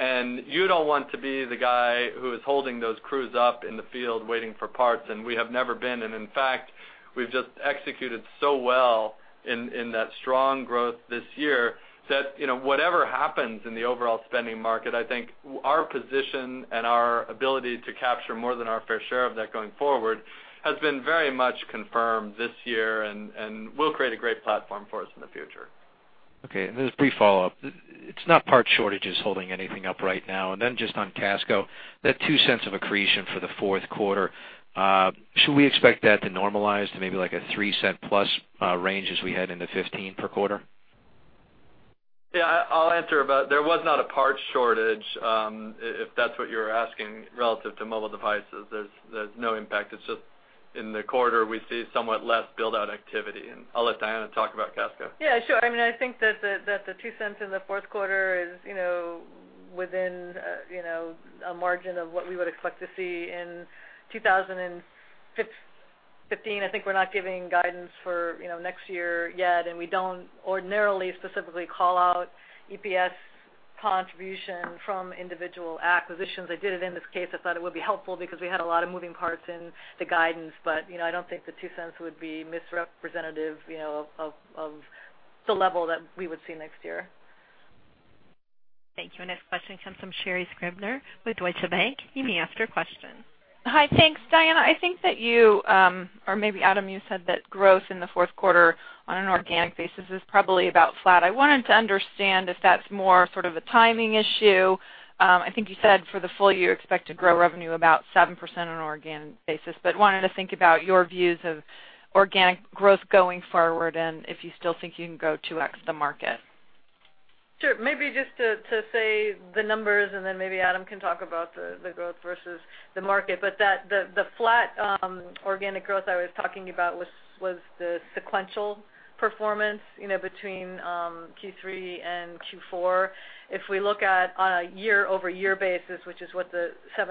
And you don't want to be the guy who is holding those crews up in the field waiting for parts, and we have never been. And in fact, we've just executed so well in that strong growth this year that whatever happens in the overall spending market, I think our position and our ability to capture more than our fair share of that going forward has been very much confirmed this year and will create a great platform for us in the future. Okay. And then a brief follow-up. It's not part shortages holding anything up right now. And then just on Casco, that $0.02 of accretion for the fourth quarter, should we expect that to normalize to maybe like a $0.03+ range as we head into 2015 per quarter? Yeah. I'll answer about there was not a part shortage, if that's what you're asking, relative to mobile devices. There's no impact. It's just in the quarter, we see somewhat less build-out activity. And I'll let Diana talk about Casco. Yeah. Sure. I mean, I think that the $0.02 in the fourth quarter is within a margin of what we would expect to see in 2015. I think we're not giving guidance for next year yet, and we don't ordinarily specifically call out EPS contribution from individual acquisitions. I did it in this case. I thought it would be helpful because we had a lot of moving parts in the guidance, but I don't think the $0.02 would be misrepresentative of the level that we would see next year. Thank you. Our next question comes from Sherri Scribner with Deutsche Bank. You may ask your question. Hi. Thanks, Diana. I think that you or maybe Adam, you said that growth in the fourth quarter on an organic basis is probably about flat. I wanted to understand if that's more sort of a timing issue. I think you said for the full year, you expect to grow revenue about 7% on an organic basis, but wanted to think about your views of organic growth going forward and if you still think you can go 2x the market. Sure. Maybe just to say the numbers, and then maybe Adam can talk about the growth versus the market. But the flat organic growth I was talking about was the sequential performance between Q3 and Q4. If we look at on a year-over-year basis, which is what the 7%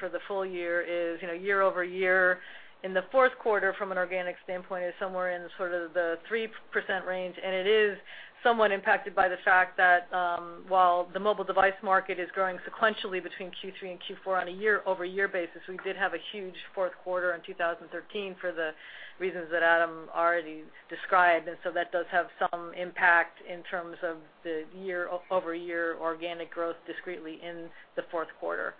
for the full year is, year-over-year in the fourth quarter from an organic standpoint is somewhere in sort of the 3% range. It is somewhat impacted by the fact that while the mobile device market is growing sequentially between Q3 and Q4 on a year-over-year basis, we did have a huge fourth quarter in 2013 for the reasons that Adam already described. And so that does have some impact in terms of the year-over-year organic growth discretely in the fourth quarter.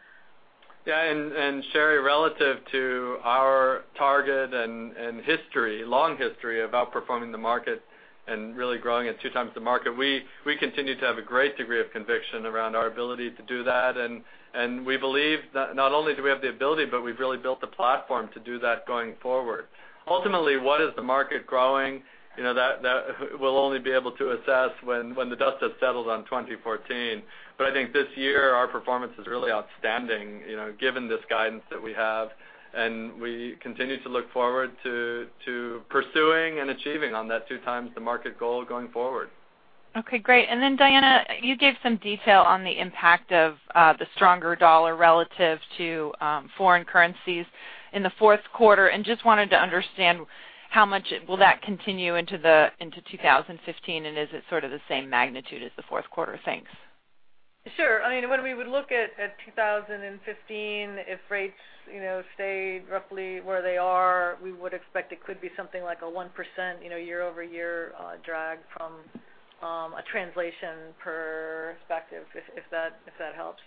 Yeah. And Sherri, relative to our target and history, long history of outperforming the market and really growing at two times the market, we continue to have a great degree of conviction around our ability to do that. And we believe not only do we have the ability, but we've really built a platform to do that going forward. Ultimately, what is the market growing? That we'll only be able to assess when the dust has settled on 2014. But I think this year, our performance is really outstanding given this guidance that we have, and we continue to look forward to pursuing and achieving on that two times the market goal going forward. Okay. Great. And then, Diana, you gave some detail on the impact of the stronger dollar relative to foreign currencies in the fourth quarter and just wanted to understand how much will that continue into 2015, and is it sort of the same magnitude as the fourth quarter? Thanks. Sure. I mean, when we would look at 2015, if rates stayed roughly where they are, we would expect it could be something like a 1% year-over-year drag from a translation perspective, if that helps.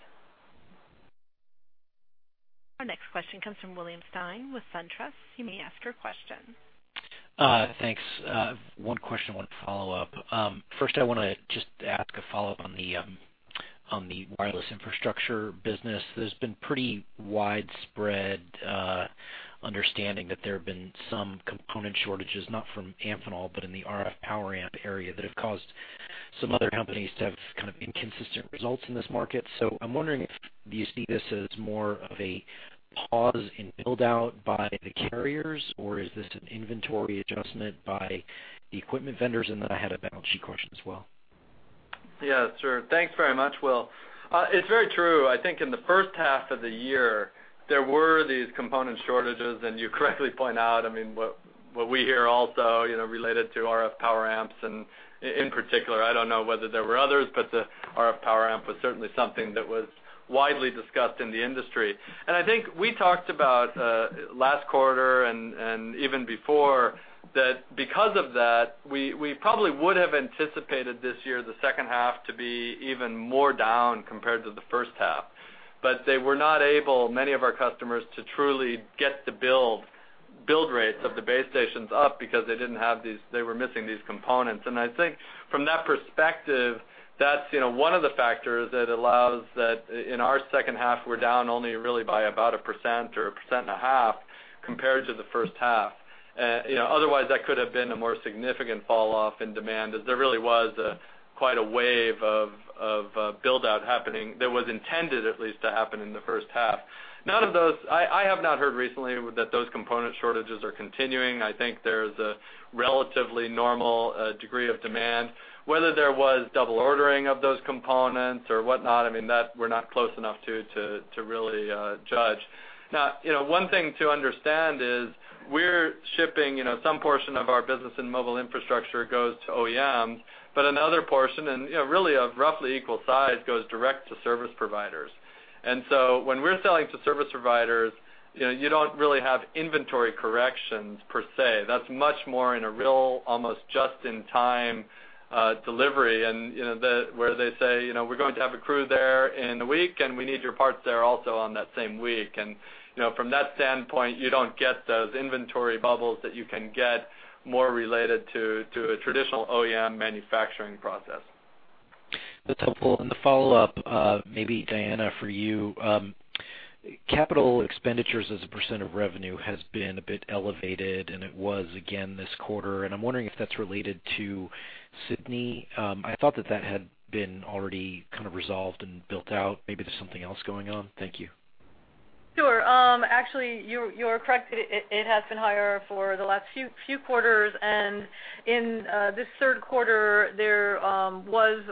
Our next question comes from William Stein with SunTrust. You may ask your question. Thanks. One question, one follow-up. First, I want to just ask a follow-up on the wireless infrastructure business. There's been pretty widespread understanding that there have been some component shortages, not from Amphenol, but in the RF power amp area that have caused some other companies to have kind of inconsistent results in this market. So I'm wondering if you see this as more of a pause in build-out by the carriers, or is this an inventory adjustment by the equipment vendors? And then I had a balance sheet question as well. Yeah. Sure. Thanks very much, Will. It's very true. I think in the first half of the year, there were these component shortages, and you correctly point out, I mean, what we hear also related to RF power amps in particular. I don't know whether there were others, but the RF power amp was certainly something that was widely discussed in the industry. I think we talked about last quarter and even before that because of that, we probably would have anticipated this year the second half to be even more down compared to the first half. But they were not able, many of our customers, to truly get the build rates of the base stations up because they didn't have these they were missing these components. I think from that perspective, that's one of the factors that allows that in our second half, we're down only really by about 1% or 1.5% compared to the first half. Otherwise, that could have been a more significant fall-off in demand as there really was quite a wave of build-out happening that was intended at least to happen in the first half. None of those. I have not heard recently that those component shortages are continuing. I think there's a relatively normal degree of demand. Whether there was double ordering of those components or whatnot, I mean, that we're not close enough to really judge. Now, one thing to understand is we're shipping some portion of our business in mobile infrastructure goes to OEMs, but another portion, and really of roughly equal size, goes direct to service providers. And so when we're selling to service providers, you don't really have inventory corrections per se. That's much more in a real almost just-in-time delivery where they say, "We're going to have a crew there in a week, and we need your parts there also on that same week." And from that standpoint, you don't get those inventory bubbles that you can get more related to a traditional OEM manufacturing process. That's helpful. And the follow-up, maybe Diana, for you, capital expenditures as a % of revenue has been a bit elevated, and it was again this quarter. And I'm wondering if that's related to Sidney. I thought that that had been already kind of resolved and built out. Maybe there's something else going on. Thank you. Sure. Actually, you're correct. It has been higher for the last few quarters. And in this third quarter, there was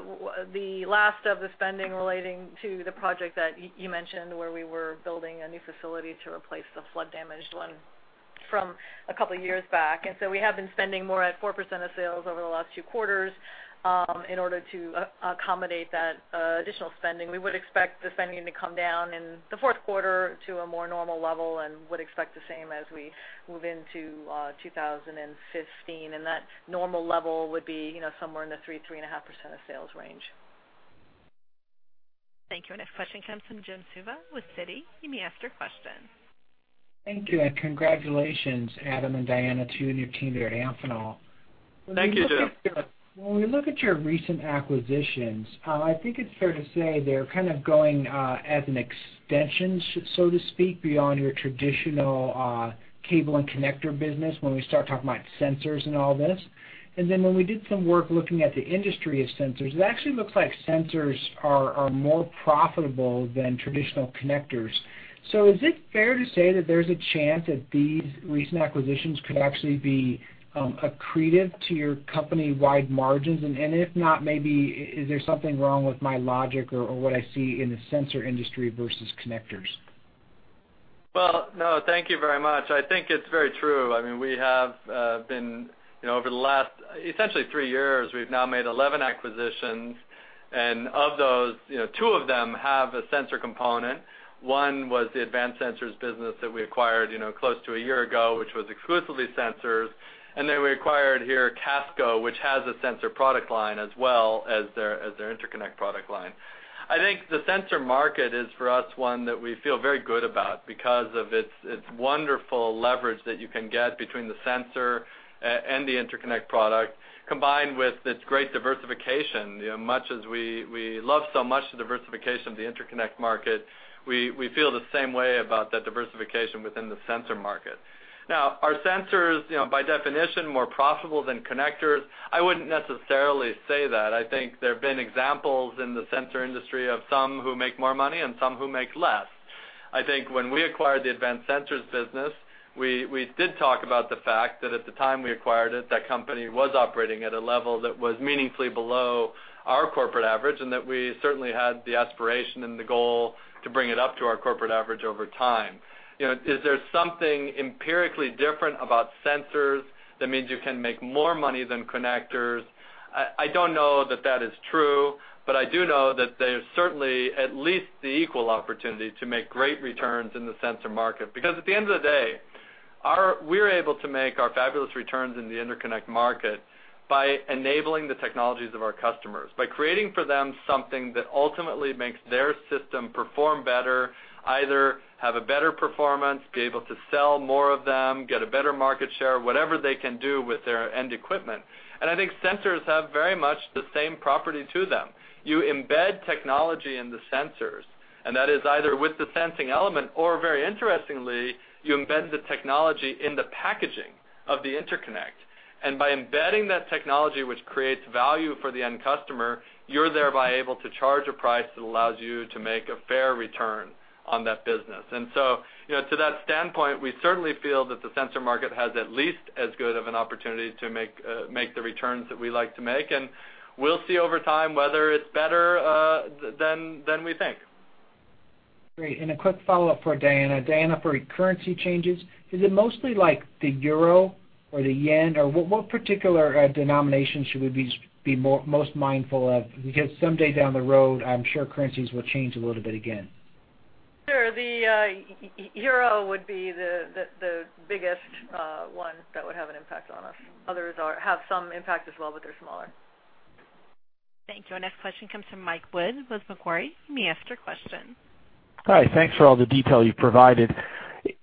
the last of the spending relating to the project that you mentioned where we were building a new facility to replace the flood-damaged one from a couple of years back. And so we have been spending more at 4% of sales over the last two quarters in order to accommodate that additional spending. We would expect the spending to come down in the fourth quarter to a more normal level and would expect the same as we move into 2015. And that normal level would be somewhere in the 3%-3.5% of sales range. Thank you. Our next question comes from Jim Suva with Citi. You may ask your question. Thank you. And congratulations, Adam and Diana, to you and your team there at Amphenol. Thank you, Jim. When we look at your recent acquisitions, I think it's fair to say they're kind of going as an extension, so to speak, beyond your traditional cable and connector business when we start talking about sensors and all this. And then when we did some work looking at the industry of sensors, it actually looks like sensors are more profitable than traditional connectors. So is it fair to say that there's a chance that these recent acquisitions could actually be accretive to your company-wide margins? And if not, maybe is there something wrong with my logic or what I see in the sensor industry versus connectors? Well, no. Thank you very much. I think it's very true. I mean, we have been over the last essentially 3 years, we've now made 11 acquisitions. And of those, 2 of them have a sensor component. One was the Advanced Sensors business that we acquired close to a year ago, which was exclusively sensors. And then we acquired here Casco, which has a sensor product line as well as their interconnect product line. I think the sensor market is, for us, one that we feel very good about because of its wonderful leverage that you can get between the sensor and the interconnect product combined with its great diversification. Much as we love so much the diversification of the interconnect market, we feel the same way about that diversification within the sensor market. Now, are sensors by definition more profitable than connectors? I wouldn't necessarily say that. I think there have been examples in the sensor industry of some who make more money and some who make less. I think when we acquired the Advanced Sensors business, we did talk about the fact that at the time we acquired it, that company was operating at a level that was meaningfully below our corporate average and that we certainly had the aspiration and the goal to bring it up to our corporate average over time. Is there something empirically different about sensors that means you can make more money than connectors? I don't know that that is true, but I do know that there's certainly at least the equal opportunity to make great returns in the sensor market. Because at the end of the day, we're able to make our fabulous returns in the interconnect market by enabling the technologies of our customers, by creating for them something that ultimately makes their system perform better, either have a better performance, be able to sell more of them, get a better market share, whatever they can do with their end equipment. And I think sensors have very much the same property to them. You embed technology in the sensors, and that is either with the sensing element or, very interestingly, you embed the technology in the packaging of the interconnect. And by embedding that technology, which creates value for the end customer, you're thereby able to charge a price that allows you to make a fair return on that business. And so to that standpoint, we certainly feel that the sensor market has at least as good of an opportunity to make the returns that we like to make. And we'll see over time whether it's better than we think. Great. And a quick follow-up for Diana. Diana, for currency changes, is it mostly the euro or the yen, or what particular denomination should we be most mindful of? Because someday down the road, I'm sure currencies will change a little bit again. Sure. The euro would be the biggest one that would have an impact on us. Others have some impact as well, but they're smaller. Thank you. Our next question comes from Mike Wood with Macquarie. You may ask your question. Hi. Thanks for all the detail you've provided.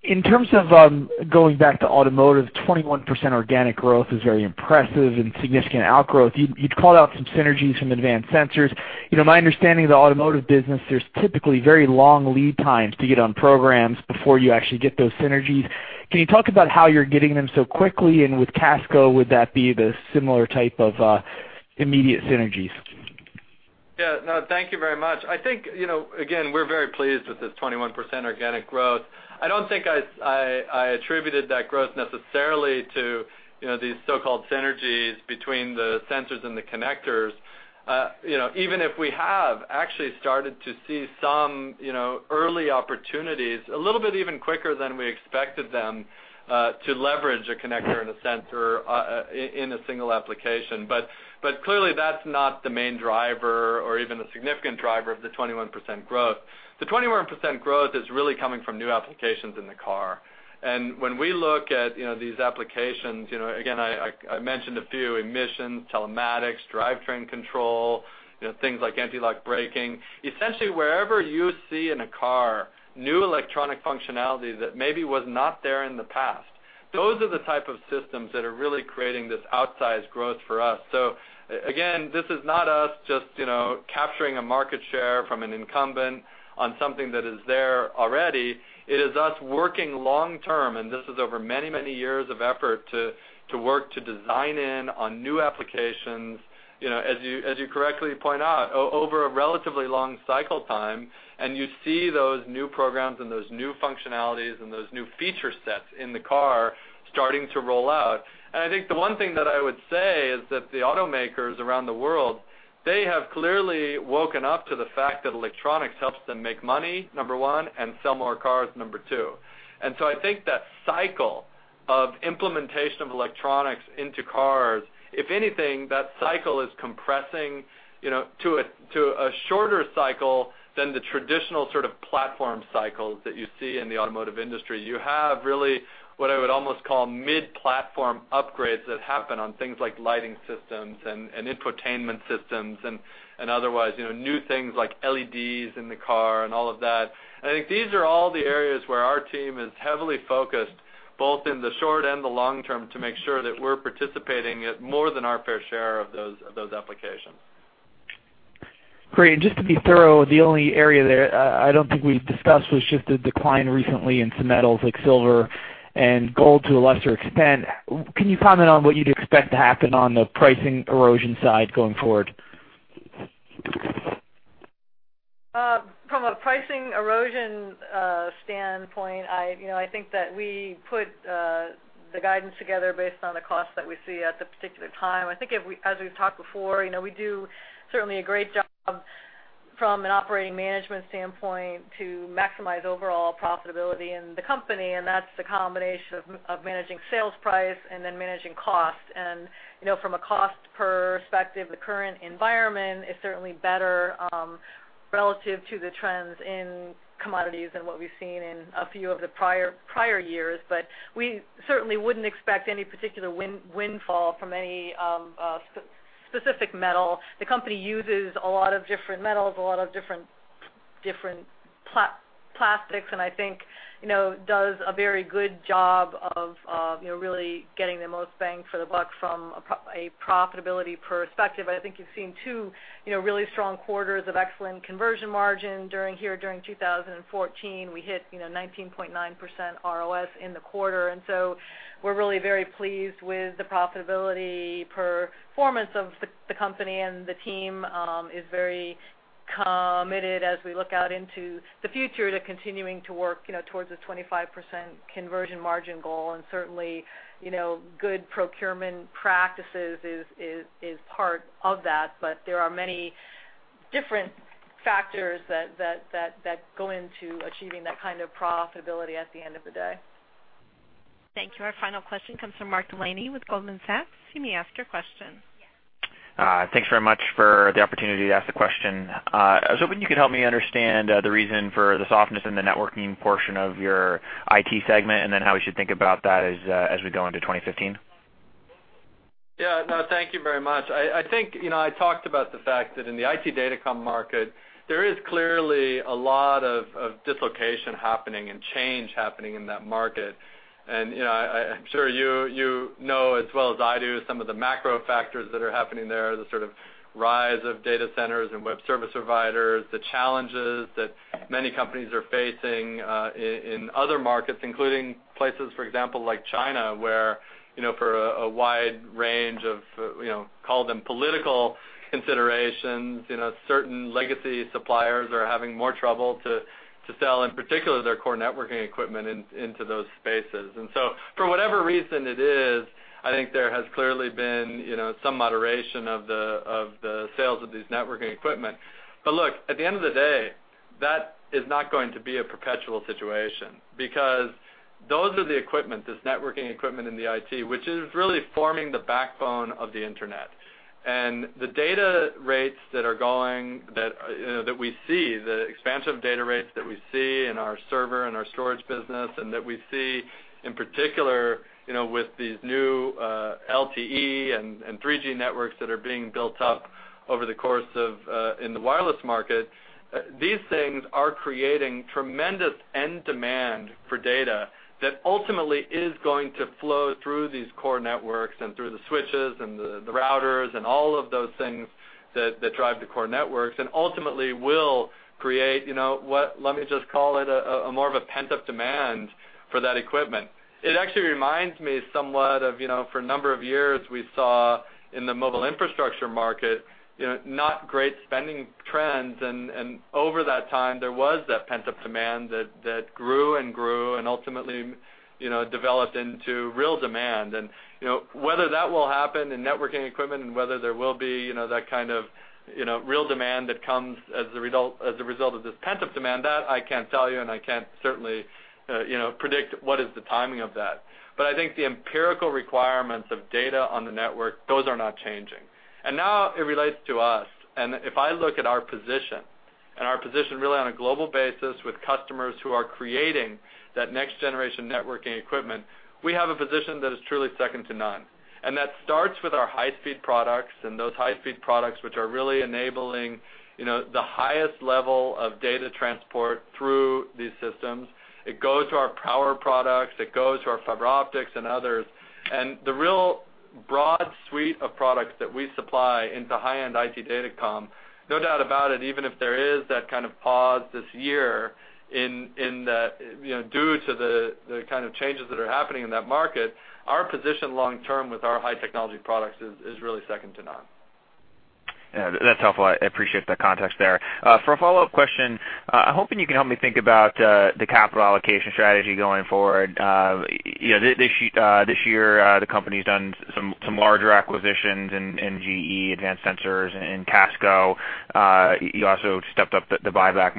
In terms of going back to automotive, 21% organic growth is very impressive and significant outgrowth. You'd call out some synergies from Advanced Sensors. My understanding of the automotive business, there's typically very long lead times to get on programs before you actually get those synergies. Can you talk about how you're getting them so quickly? And with Casco, would that be the similar type of immediate synergies? Yeah. No, thank you very much. I think, again, we're very pleased with this 21% organic growth. I don't think I attributed that growth necessarily to these so-called synergies between the sensors and the connectors. Even if we have actually started to see some early opportunities, a little bit even quicker than we expected them to leverage a connector and a sensor in a single application. But clearly, that's not the main driver or even the significant driver of the 21% growth. The 21% growth is really coming from new applications in the car. When we look at these applications, again, I mentioned a few: emissions, telematics, drivetrain control, things like anti-lock braking. Essentially, wherever you see in a car new electronic functionality that maybe was not there in the past, those are the type of systems that are really creating this outsized growth for us. So again, this is not us just capturing a market share from an incumbent on something that is there already. It is us working long-term, and this is over many, many years of effort to work to design in on new applications, as you correctly point out, over a relatively long cycle time. And you see those new programs and those new functionalities and those new feature sets in the car starting to roll out. I think the one thing that I would say is that the automakers around the world, they have clearly woken up to the fact that electronics helps them make money, number one, and sell more cars, number two. So I think that cycle of implementation of electronics into cars, if anything, that cycle is compressing to a shorter cycle than the traditional sort of platform cycles that you see in the automotive industry. You have really what I would almost call mid-platform upgrades that happen on things like lighting systems and infotainment systems and otherwise new things like LEDs in the car and all of that. I think these are all the areas where our team is heavily focused both in the short and the long term to make sure that we're participating at more than our fair share of those applications. Great. Just to be thorough, the only area there I don't think we've discussed was just the decline recently in some metals like silver and gold to a lesser extent. Can you comment on what you'd expect to happen on the pricing erosion side going forward? From a pricing erosion standpoint, I think that we put the guidance together based on the cost that we see at the particular time. I think as we've talked before, we do certainly a great job from an operating management standpoint to maximize overall profitability in the company. That's the combination of managing sales price and then managing cost. From a cost perspective, the current environment is certainly better relative to the trends in commodities than what we've seen in a few of the prior years. We certainly wouldn't expect any particular windfall from any specific metal. The company uses a lot of different metals, a lot of different plastics, and I think does a very good job of really getting the most bang for the buck from a profitability perspective. I think you've seen two really strong quarters of excellent conversion margin. Here during 2014, we hit 19.9% ROS in the quarter. And so we're really very pleased with the profitability performance of the company. And the team is very committed as we look out into the future to continuing to work towards a 25% conversion margin goal. And certainly, good procurement practices is part of that. But there are many different factors that go into achieving that kind of profitability at the end of the day. Thank you. Our final question comes from Mark Delaney with Goldman Sachs. You may ask your question. Thanks very much for the opportunity to ask the question. I was hoping you could help me understand the reason for the softness in the networking portion of your IT segment and then how we should think about that as we go into 2015. Yeah. No, thank you very much. I think I talked about the fact that in the IT datacom market, there is clearly a lot of dislocation happening and change happening in that market. And I'm sure you know as well as I do some of the macro factors that are happening there, the sort of rise of data centers and web service providers, the challenges that many companies are facing in other markets, including places, for example, like China where for a wide range of, call them political considerations, certain legacy suppliers are having more trouble to sell, in particular, their core networking equipment into those spaces. And so for whatever reason it is, I think there has clearly been some moderation of the sales of these networking equipment. But look, at the end of the day, that is not going to be a perpetual situation because those are the equipment, this networking equipment in the IT, which is really forming the backbone of the internet. And the data rates that are going that we see, the expansion of data rates that we see in our server and our storage business, and that we see in particular with these new LTE and 3G networks that are being built up over the course of in the wireless market, these things are creating tremendous end demand for data that ultimately is going to flow through these core networks and through the switches and the routers and all of those things that drive the core networks and ultimately will create, let me just call it, more of a pent-up demand for that equipment. It actually reminds me somewhat of, for a number of years, we saw in the mobile infrastructure market not great spending trends. Over that time, there was that pent-up demand that grew and grew and ultimately developed into real demand. Whether that will happen in networking equipment and whether there will be that kind of real demand that comes as a result of this pent-up demand, that I can't tell you, and I can't certainly predict what is the timing of that. But I think the empirical requirements of data on the network. Those are not changing. And now it relates to us. And if I look at our position and our position really on a global basis with customers who are creating that next-generation networking equipment, we have a position that is truly second to none. And that starts with our high-speed products and those high-speed products which are really enabling the highest level of data transport through these systems. It goes to our power products. It goes to our fiber optics and others. And the real broad suite of products that we supply into high-end IT datacom, no doubt about it, even if there is that kind of pause this year due to the kind of changes that are happening in that market, our position long-term with our high-technology products is really second to none. Yeah. That's helpful. I appreciate the context there. For a follow-up question, I'm hoping you can help me think about the capital allocation strategy going forward. This year, the company's done some larger acquisitions in GE Advanced Sensors, and Casco. You also stepped up the buyback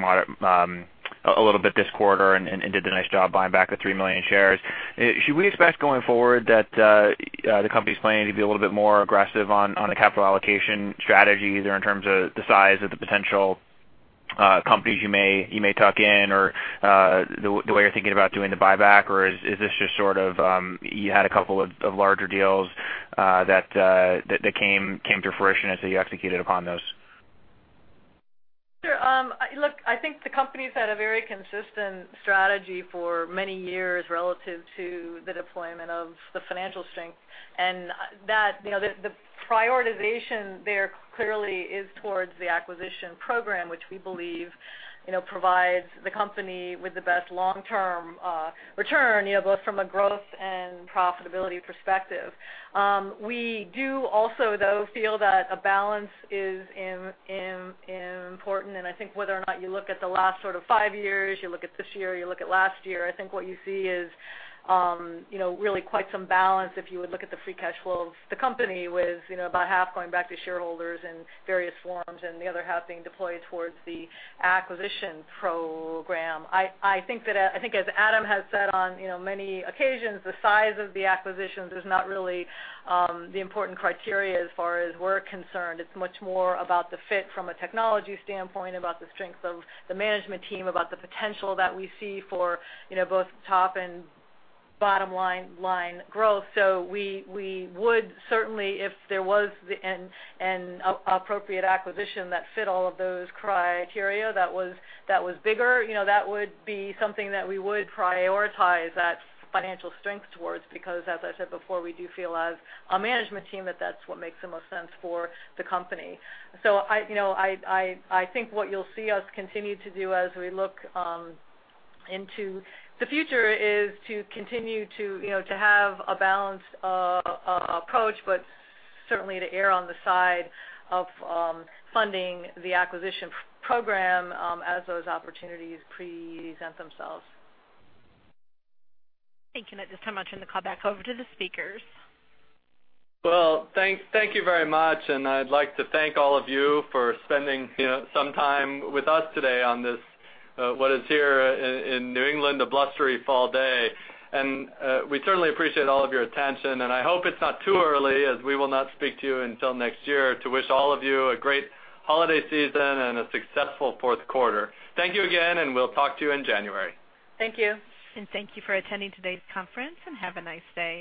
a little bit this quarter and did a nice job buying back the 3 million shares. Should we expect going forward that the company's planning to be a little bit more aggressive on the capital allocation strategy, either in terms of the size of the potential companies you may tuck in or the way you're thinking about doing the buyback, or is this just sort of you had a couple of larger deals that came to fruition, and so you executed upon those? Sure. Look, I think the company's had a very consistent strategy for many years relative to the deployment of the financial strength. The prioritization there clearly is towards the acquisition program, which we believe provides the company with the best long-term return both from a growth and profitability perspective. We do also, though, feel that a balance is important. I think whether or not you look at the last sort of five years, you look at this year, you look at last year, I think what you see is really quite some balance if you would look at the free cash flow of the company with about half going back to shareholders in various forms and the other half being deployed towards the acquisition program. I think, as Adam has said on many occasions, the size of the acquisitions is not really the important criteria as far as we're concerned. It's much more about the fit from a technology standpoint, about the strength of the management team, about the potential that we see for both top and bottom line growth. So we would certainly, if there was an appropriate acquisition that fit all of those criteria that was bigger, that would be something that we would prioritize that financial strength towards because, as I said before, we do feel as a management team that that's what makes the most sense for the company. So I think what you'll see us continue to do as we look into the future is to continue to have a balanced approach, but certainly to err on the side of funding the acquisition program as those opportunities present themselves. Thank you. And at this time, I'll turn the call back over to the speakers. Well, thank you very much. And I'd like to thank all of you for spending some time with us today on this, what is here in New England, a blustery fall day. And we certainly appreciate all of your attention. I hope it's not too early, as we will not speak to you until next year, to wish all of you a great holiday season and a successful fourth quarter. Thank you again, and we'll talk to you in January. Thank you. Thank you for attending today's conference, and have a nice day.